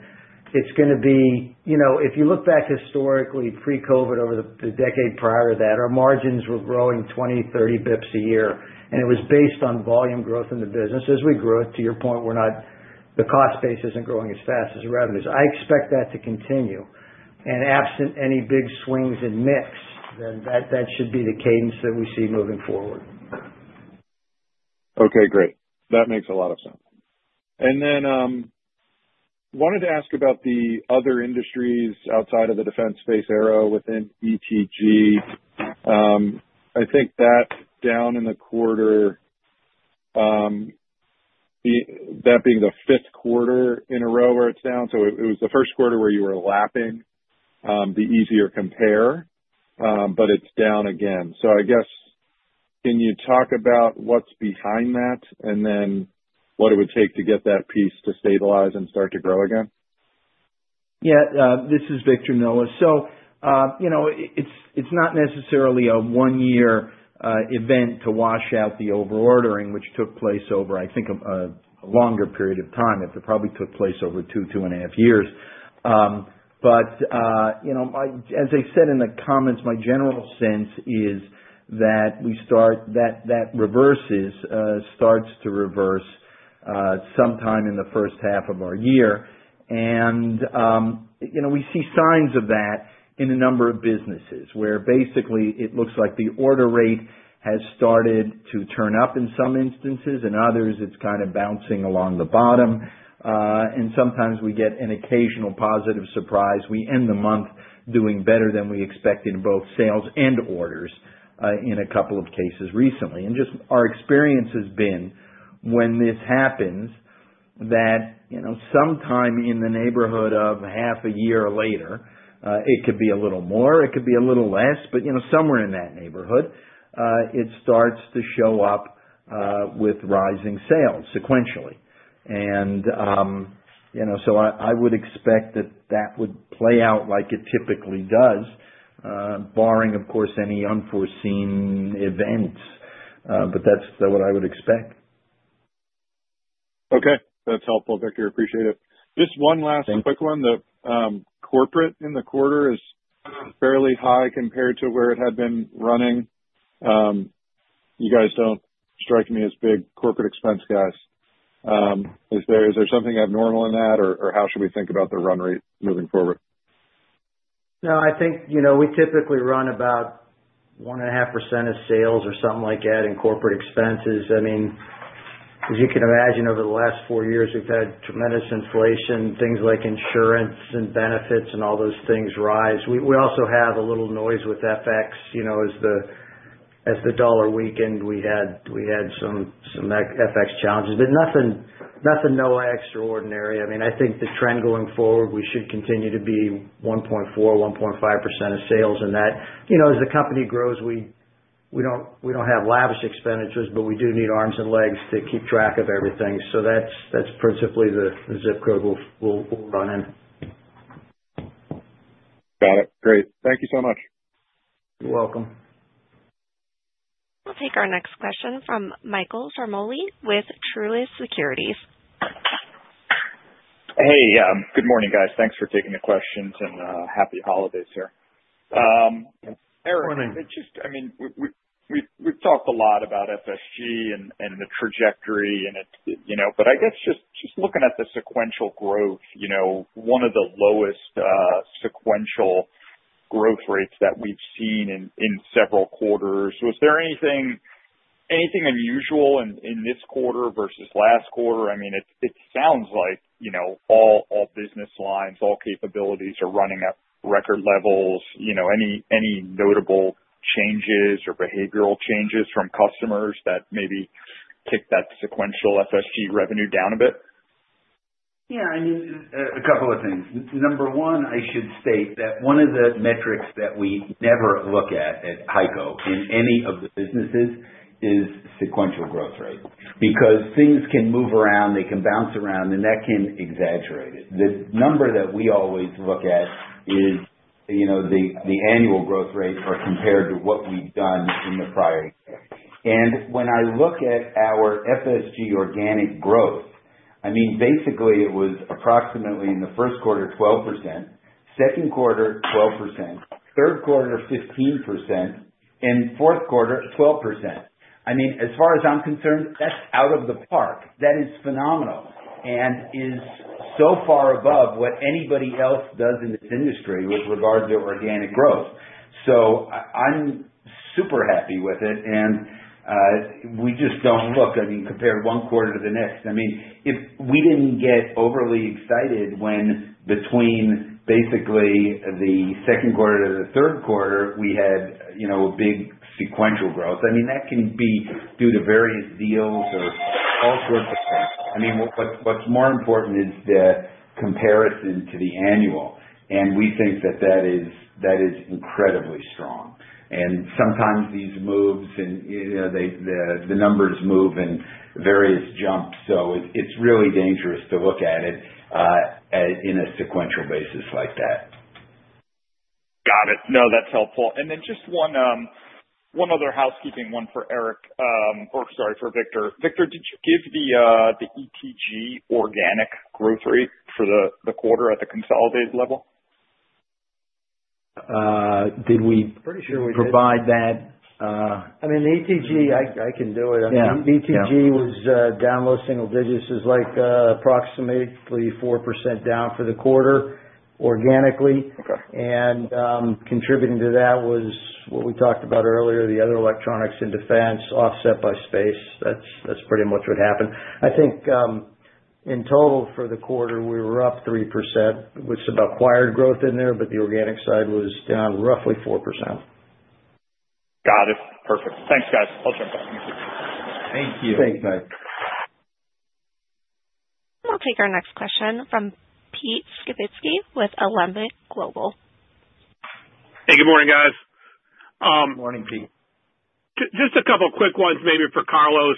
[SPEAKER 7] It's going to be, if you look back historically, pre-COVID, over the decade prior to that, our margins were growing 20-30 basis points a year. And it was based on volume growth in the business. As we grew, to your point, the cost base isn't growing as fast as revenues. I expect that to continue. And absent any big swings in mix, then that should be the cadence that we see moving forward.
[SPEAKER 12] Okay. Great. That makes a lot of sense, and then wanted to ask about the other industries outside of the defense space aero within ETG. I think that was down in the quarter, that being the fifth quarter in a row where it's down. So I guess, can you talk about what's behind that and then what it would take to get that piece to stabilize and start to grow again?
[SPEAKER 4] Yeah. This is Victor, Noah. So it's not necessarily a one-year event to wash out the over-ordering, which took place over, I think, a longer period of time. It probably took place over two, two and a half years, but as I said in the comments, my general sense is that that reverses, starts to reverse sometime in the first half of our year, and we see signs of that in a number of businesses where basically it looks like the order rate has started to turn up in some instances. In others, it's kind of bouncing along the bottom, and sometimes we get an occasional positive surprise. We end the month doing better than we expected in both sales and orders in a couple of cases recently. And just our experience has been when this happens that sometime in the neighborhood of half a year later, it could be a little more. It could be a little less, but somewhere in that neighborhood, it starts to show up with rising sales sequentially. And so I would expect that that would play out like it typically does, barring, of course, any unforeseen events. But that's what I would expect.
[SPEAKER 12] Okay. That's helpful, Victor. Appreciate it. Just one last quick one. The corporate in the quarter is fairly high compared to where it had been running. You guys don't strike me as big corporate expense guys. Is there something abnormal in that, or how should we think about the run rate moving forward?
[SPEAKER 3] No. I think we typically run about 1.5% of sales or something like that in corporate expenses. I mean, as you can imagine, over the last four years, we've had tremendous inflation. Things like insurance and benefits and all those things rise. We also have a little noise with FX. As the dollar weakened, we had some FX challenges, but nothing extraordinary. I mean, I think the trend going forward, we should continue to be 1.4%-1.5% of sales in that. As the company grows, we don't have lavish expenditures, but we do need arms and legs to keep track of everything. So that's principally the zip code we'll run in.
[SPEAKER 12] Got it. Great. Thank you so much.
[SPEAKER 3] You're welcome.
[SPEAKER 1] We'll take our next question from Michael Ciarmoli with Truist Securities.
[SPEAKER 13] Hey. Yeah. Good morning, guys. Thanks for taking the questions and happy holidays here.
[SPEAKER 5] Good morning.
[SPEAKER 13] Eric, I mean, we've talked a lot about FSG and the trajectory, but I guess just looking at the sequential growth, one of the lowest sequential growth rates that we've seen in several quarters, was there anything unusual in this quarter versus last quarter? I mean, it sounds like all business lines, all capabilities are running at record levels. Any notable changes or behavioral changes from customers that maybe kicked that sequential FSG revenue down a bit?
[SPEAKER 3] Yeah. I mean, a couple of things. Number one, I should state that one of the metrics that we never look at at HEICO in any of the businesses is sequential growth rate because things can move around. They can bounce around, and that can exaggerate it. The number that we always look at is the annual growth rate compared to what we've done in the prior. And when I look at our FSG organic growth, I mean, basically, it was approximately in the first quarter, 12%. Second quarter, 12%. Third quarter, 15%. And fourth quarter, 12%. I mean, as far as I'm concerned, that's out of the park. That is phenomenal and is so far above what anybody else does in this industry with regard to organic growth. So I'm super happy with it. And we just don't look, I mean, compared one quarter to the next. I mean, we didn't get overly excited when between basically the second quarter to the third quarter, we had a big sequential growth. I mean, that can be due to various deals or all sorts of things. I mean, what's more important is the comparison to the annual, and we think that that is incredibly strong, and sometimes these moves, the numbers move in various jumps, so it's really dangerous to look at it in a sequential basis like that.
[SPEAKER 13] Got it. No, that's helpful. And then just one other housekeeping one for Eric or sorry, for Victor. Victor, did you give the ETG organic growth rate for the quarter at the consolidated level?
[SPEAKER 3] Did we?
[SPEAKER 13] Pretty sure we did.
[SPEAKER 3] Provide that? I mean, the ETG, I can do it. ETG was down low single digits. It was like approximately 4% down for the quarter organically. And contributing to that was what we talked about earlier, the other electronics in defense offset by space. That's pretty much what happened. I think in total for the quarter, we were up 3%, which is about acquired growth in there, but the organic side was down roughly 4%.
[SPEAKER 13] Got it. Perfect. Thanks, guys. I'll jump off.
[SPEAKER 3] Thank you.
[SPEAKER 13] Thanks, guys.
[SPEAKER 1] We'll take our next question from Pete Skibitski with Alembic Global Advisors.
[SPEAKER 14] Hey, good morning, guys.
[SPEAKER 9] Good morning, Pete.
[SPEAKER 14] Just a couple of quick ones maybe for Carlos.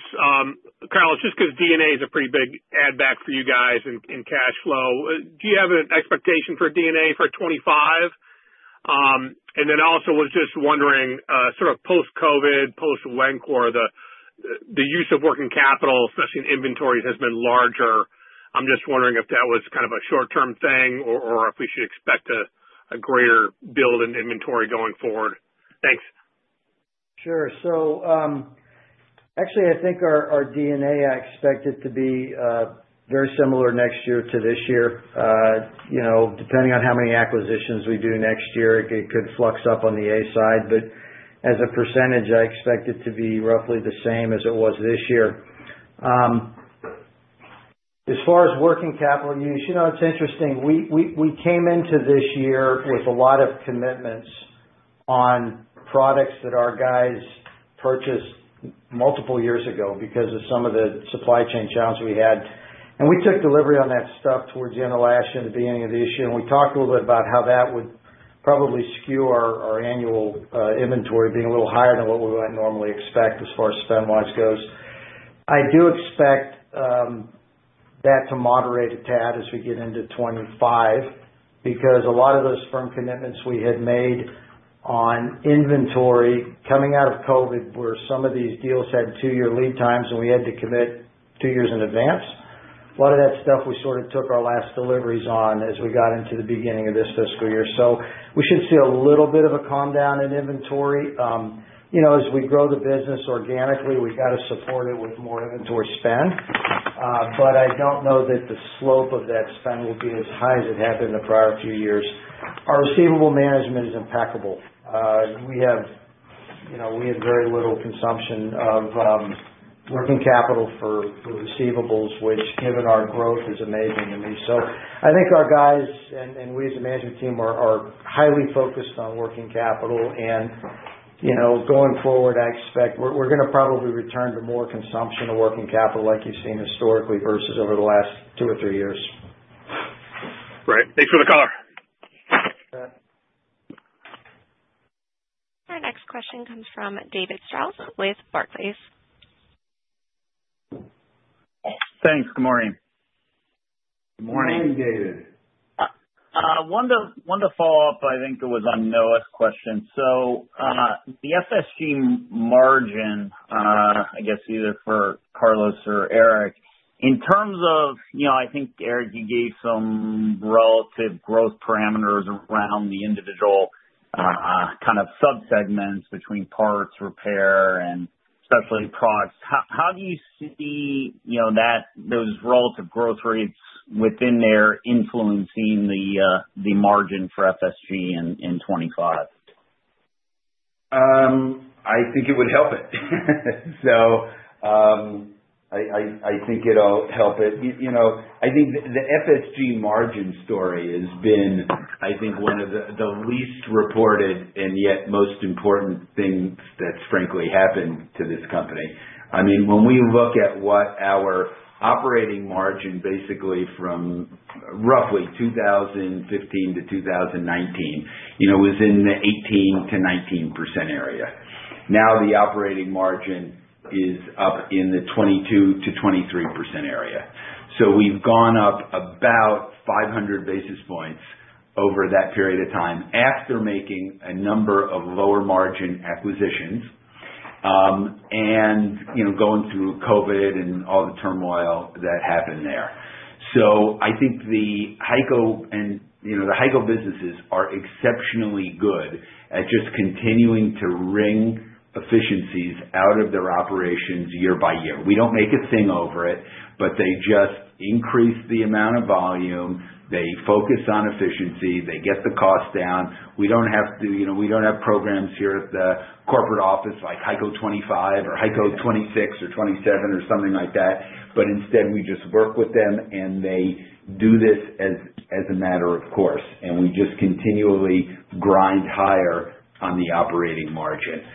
[SPEAKER 14] Carlos, just because D&A is a pretty big add-back for you guys in cash flow. Do you have an expectation for D&A for 2025? And then also was just wondering, sort of post-COVID, post-Wencor, the use of working capital, especially in inventory, has been larger. I'm just wondering if that was kind of a short-term thing or if we should expect a greater build in inventory going forward. Thanks.
[SPEAKER 7] Sure. So actually, I think our D&A. I expect it to be very similar next year to this year. Depending on how many acquisitions we do next year, it could flux up on the A side. But as a percentage, I expect it to be roughly the same as it was this year. As far as working capital use, it's interesting. We came into this year with a lot of commitments on products that our guys purchased multiple years ago because of some of the supply chain challenges we had. And we took delivery on that stuff towards the end of last year, the beginning of this year. And we talked a little bit about how that would probably skew our annual inventory being a little higher than what we might normally expect as far as spend-wise goes. I do expect that to moderate a tad as we get into 2025 because a lot of those firm commitments we had made on inventory coming out of COVID where some of these deals had two-year lead times and we had to commit two years in advance. A lot of that stuff we sort of took our last deliveries on as we got into the beginning of this fiscal year. So we should see a little bit of a calm down in inventory. As we grow the business organically, we got to support it with more inventory spend. But I don't know that the slope of that spend will be as high as it had been the prior few years. Our receivable management is impeccable. We have very little consumption of working capital for receivables, which given our growth is amazing to me. So I think our guys and we as a management team are highly focused on working capital. And going forward, I expect we're going to probably return to more consumption of working capital like you've seen historically versus over the last two or three years.
[SPEAKER 14] Great. Thanks for the call.
[SPEAKER 1] Then our next question comes from David Strauss with Barclays.
[SPEAKER 15] Thanks. Good morning. Good morning.
[SPEAKER 3] Good morning, David.
[SPEAKER 15] Want to follow up, I think it was on Noah's question. So the FSG margin, I guess either for Carlos or Eric, in terms of I think, Eric, you gave some relative growth parameters around the individual kind of subsegments between parts, repair, and specialty products. How do you see those relative growth rates within there influencing the margin for FSG in 2025?
[SPEAKER 3] I think it would help it. So I think it'll help it. I think the FSG margin story has been, I think, one of the least reported and yet most important things that's frankly happened to this company. I mean, when we look at what our operating margin basically from roughly 2015 to 2019 was in the 18%-19% area. Now the operating margin is up in the 22%-23% area. So we've gone up about 500 basis points over that period of time after making a number of lower margin acquisitions and going through COVID and all the turmoil that happened there. So I think the HEICO and the HEICO businesses are exceptionally good at just continuing to wring efficiencies out of their operations year by year. We don't make a thing over it, but they just increase the amount of volume. They focus on efficiency. They get the cost down. We don't have programs here at the corporate office like HEICO 2025 or HEICO 2026 or 2027 or something like that, but instead, we just work with them, and they do this as a matter of course, and we just continually grind higher on the operating margin,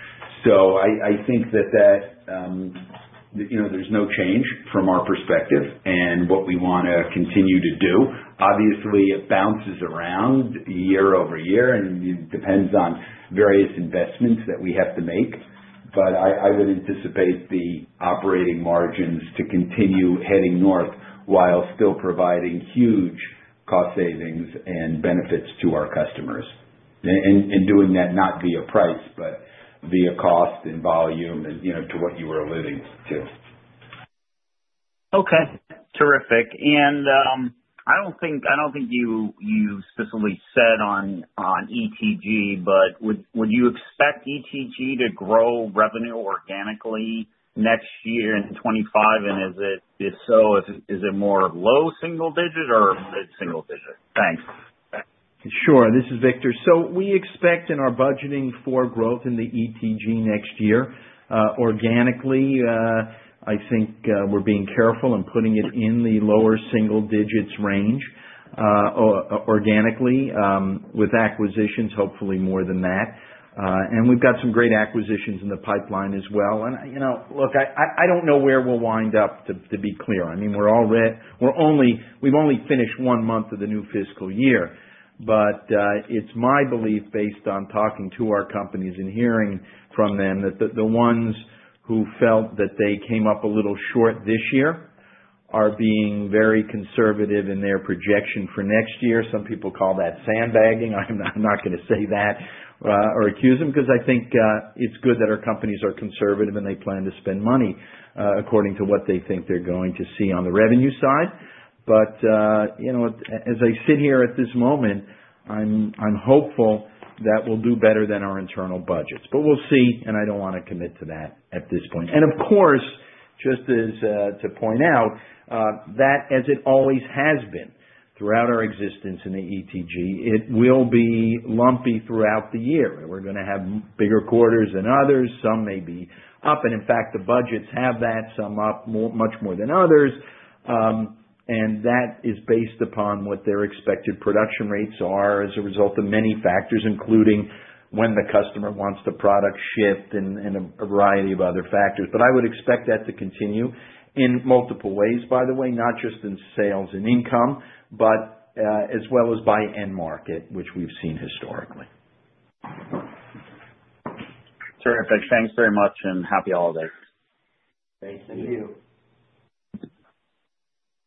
[SPEAKER 3] so I think that there's no change from our perspective and what we want to continue to do. Obviously, it bounces around year over year and depends on various investments that we have to make, but I would anticipate the operating margins to continue heading north while still providing huge cost savings and benefits to our customers and doing that not via price, but via cost and volume and to what you were alluding to.
[SPEAKER 15] Okay. Terrific. And I don't think you specifically said on ETG, but would you expect ETG to grow revenue organically next year in 2025? And if so, is it more low single digit or mid-single digit? Thanks.
[SPEAKER 4] Sure. This is Victor. So we expect in our budgeting for growth in the ETG next year organically. I think we're being careful and putting it in the lower single digits range organically with acquisitions, hopefully more than that. And we've got some great acquisitions in the pipeline as well. And look, I don't know where we'll wind up, to be clear. I mean, we're only finished one month of the new fiscal year. But it's my belief, based on talking to our companies and hearing from them, that the ones who felt that they came up a little short this year are being very conservative in their projection for next year. Some people call that sandbagging. I'm not going to say that or accuse them because I think it's good that our companies are conservative and they plan to spend money according to what they think they're going to see on the revenue side. But as I sit here at this moment, I'm hopeful that we'll do better than our internal budgets. But we'll see, and I don't want to commit to that at this point. And of course, just to point out that as it always has been throughout our existence in the ETG, it will be lumpy throughout the year. We're going to have bigger quarters than others. Some may be up. And in fact, the budgets have that. Some up much more than others. That is based upon what their expected production rates are as a result of many factors, including when the customer wants the product shipped and a variety of other factors. I would expect that to continue in multiple ways, by the way, not just in sales and income, but as well as by end market, which we've seen historically.
[SPEAKER 15] Terrific. Thanks very much and happy holidays.
[SPEAKER 3] Thank you. Thank you.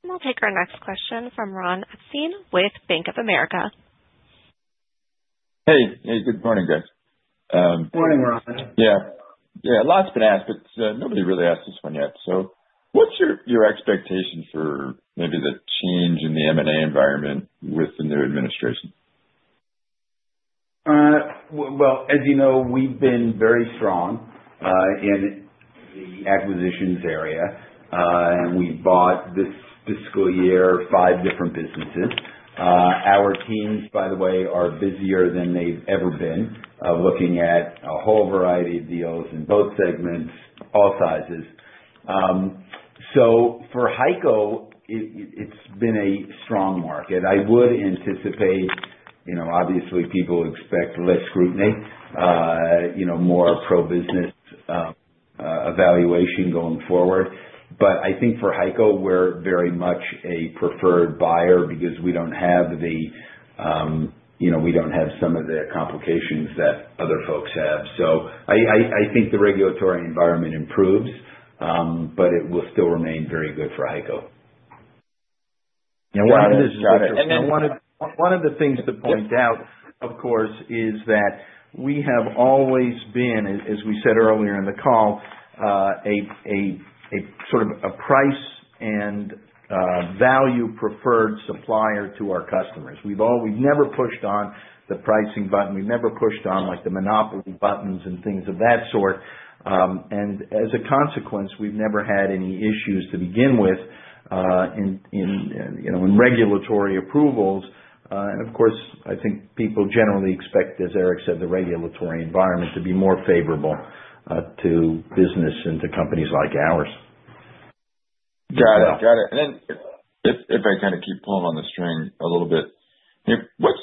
[SPEAKER 1] We'll take our next question from Ron Epstein with Bank of America.
[SPEAKER 16] Hey. Hey. Good morning, guys.
[SPEAKER 3] Good morning, Ron.
[SPEAKER 16] Yeah. Yeah. A lot's been asked, but nobody really asked this one yet. So what's your expectation for maybe the change in the M&A environment with the new administration?
[SPEAKER 3] As you know, we've been very strong in the acquisitions area. And we bought this fiscal year five different businesses. Our teams, by the way, are busier than they've ever been looking at a whole variety of deals in both segments, all sizes. So for HEICO, it's been a strong market. I would anticipate, obviously, people expect less scrutiny, more pro-business evaluation going forward. But I think for HEICO, we're very much a preferred buyer because we don't have some of the complications that other folks have. So I think the regulatory environment improves, but it will still remain very good for HEICO.
[SPEAKER 4] Yeah. One of the things to point out, of course, is that we have always been, as we said earlier in the call, a sort of a price and value-preferred supplier to our customers. We've never pushed on the pricing button. We've never pushed on the monopoly buttons and things of that sort. And as a consequence, we've never had any issues to begin with in regulatory approvals. And of course, I think people generally expect, as Eric said, the regulatory environment to be more favorable to business and to companies like ours.
[SPEAKER 16] Got it. Got it. And then if I kind of keep pulling on the string a little bit, what's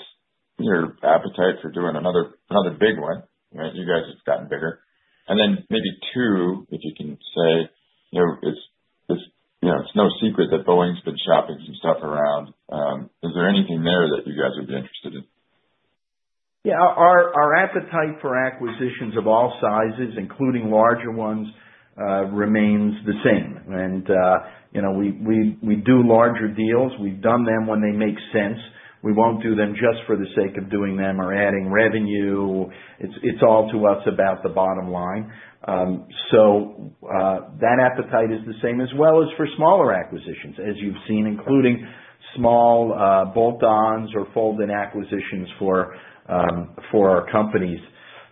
[SPEAKER 16] your appetite for doing another big one? You guys have gotten bigger. And then maybe two, if you can say, it's no secret that Boeing's been shopping some stuff around. Is there anything there that you guys would be interested in?
[SPEAKER 4] Yeah. Our appetite for acquisitions of all sizes, including larger ones, remains the same. And we do larger deals. We've done them when they make sense. We won't do them just for the sake of doing them or adding revenue. It's all to us about the bottom line. So that appetite is the same as well as for smaller acquisitions, as you've seen, including small bolt-ons or fold-in acquisitions for our companies.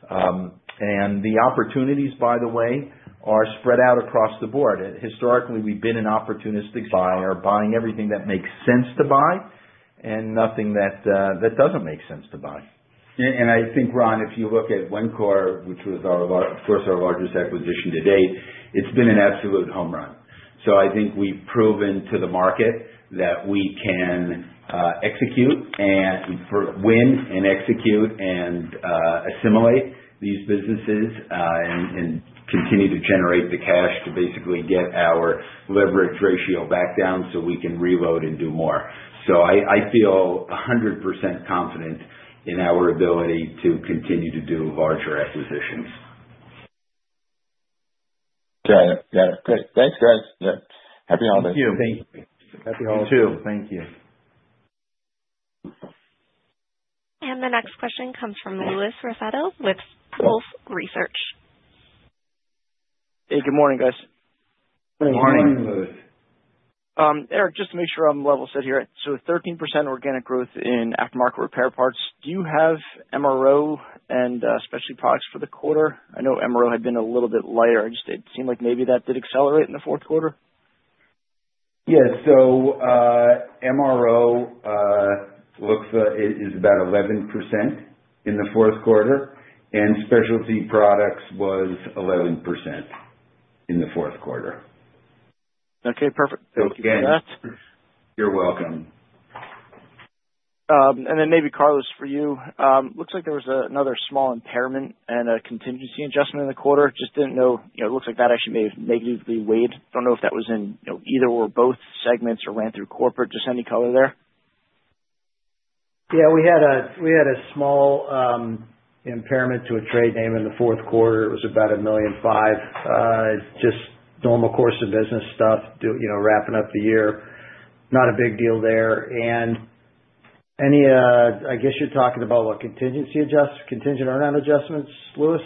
[SPEAKER 4] And the opportunities, by the way, are spread out across the board. Historically, we've been an opportunistic buyer, buying everything that makes sense to buy and nothing that doesn't make sense to buy.
[SPEAKER 3] I think, Ron, if you look at Wencor, which was, of course, our largest acquisition to date, it's been an absolute home run. So I think we've proven to the market that we can execute and win and execute and assimilate these businesses and continue to generate the cash to basically get our leverage ratio back down so we can reload and do more. So I feel 100% confident in our ability to continue to do larger acquisitions.
[SPEAKER 16] Got it. Got it. Great. Thanks, guys. Yeah. Happy holidays.
[SPEAKER 2] Thank you.
[SPEAKER 3] Thank you.
[SPEAKER 4] Happy holidays.
[SPEAKER 3] You too.
[SPEAKER 16] Thank you.
[SPEAKER 1] The next question comes from Louis Raffetto with Tigress Financial Partners.
[SPEAKER 17] Hey. Good morning, guys.
[SPEAKER 2] Good morning.
[SPEAKER 3] Morning, Louis.
[SPEAKER 18] Eric, just to make sure I'm level set here. So 13% organic growth in aftermarket repair parts. Do you have MRO and specialty products for the quarter? I know MRO had been a little bit lighter. It seemed like maybe that did accelerate in the fourth quarter.
[SPEAKER 3] Yes. So MRO is about 11% in the fourth quarter. And specialty products was 11% in the fourth quarter.
[SPEAKER 18] Okay. Perfect. Thank you for that.
[SPEAKER 3] You're welcome.
[SPEAKER 18] And then maybe Carlos, for you. Looks like there was another small impairment and a contingency adjustment in the quarter. Just didn't know. It looks like that actually may have negatively weighed. Don't know if that was in either or both segments or ran through corporate. Just any color there?
[SPEAKER 7] Yeah. We had a small impairment to a trade name in the fourth quarter. It was about $1.5 million. Just normal course of business stuff, wrapping up the year. Not a big deal there. And I guess you're talking about what? Contingency adjust, contingent earnout adjustments, Louis?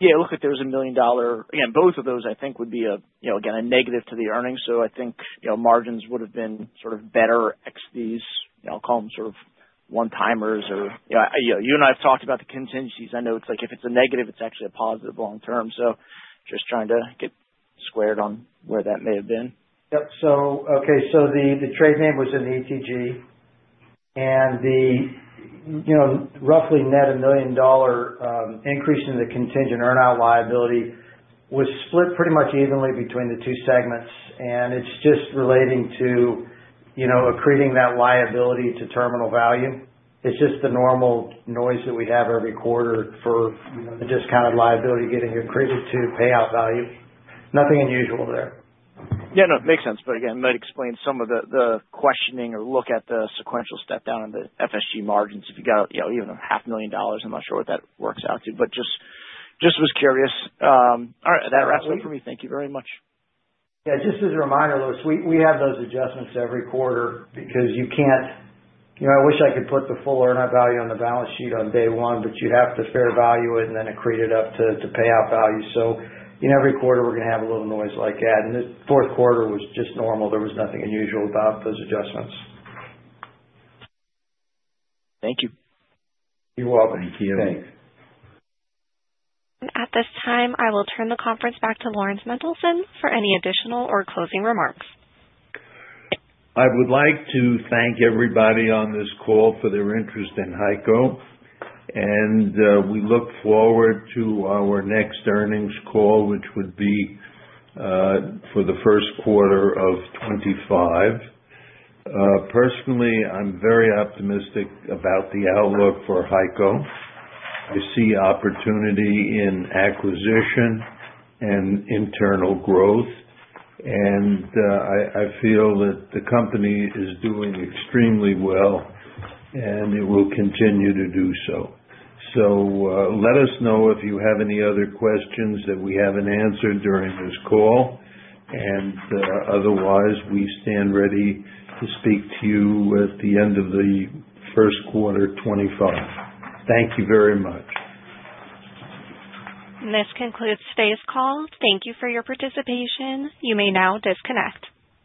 [SPEAKER 18] Yeah. It looks like there was $1 million. Again, both of those, I think, would be, again, a negative to the earnings. So I think margins would have been sort of better ex these. I'll call them sort of one-timers or you and I have talked about the contingencies. I know it's like if it's a negative, it's actually a positive long term. So just trying to get squared on where that may have been.
[SPEAKER 7] Yep. Okay. So the trade name was in the ETG. And the roughly net $1 million increase in the contingent earnout liability was split pretty much evenly between the two segments. And it's just relating to accreting that liability to terminal value. It's just the normal noise that we have every quarter for the discounted liability getting accreted to payout value. Nothing unusual there.
[SPEAKER 18] Yeah. No. Makes sense. But again, might explain some of the questioning or look at the sequential step down in the FSG margins. If you got even $500,000, I'm not sure what that works out to. But just was curious. All right. That wraps it for me. Thank you very much.
[SPEAKER 7] Yeah. Just as a reminder, Louis, we have those adjustments every quarter because you can't. I wish I could put the full earnout value on the balance sheet on day one, but you have to fair value it and then accrete it up to payout value. So every quarter, we're going to have a little noise like that. And the fourth quarter was just normal. There was nothing unusual about those adjustments.
[SPEAKER 18] Thank you.
[SPEAKER 7] You're welcome.
[SPEAKER 3] Thank you. Thanks.
[SPEAKER 1] At this time, I will turn the conference back to Lawrence Mendelson for any additional or closing remarks.
[SPEAKER 2] I would like to thank everybody on this call for their interest in HEICO. We look forward to our next earnings call, which would be for the first quarter of 2025. Personally, I'm very optimistic about the outlook for HEICO. I see opportunity in acquisition and internal growth. I feel that the company is doing extremely well, and it will continue to do so. So let us know if you have any other questions that we haven't answered during this call. Otherwise, we stand ready to speak to you at the end of the first quarter 2025. Thank you very much.
[SPEAKER 1] This concludes today's call. Thank you for your participation. You may now disconnect.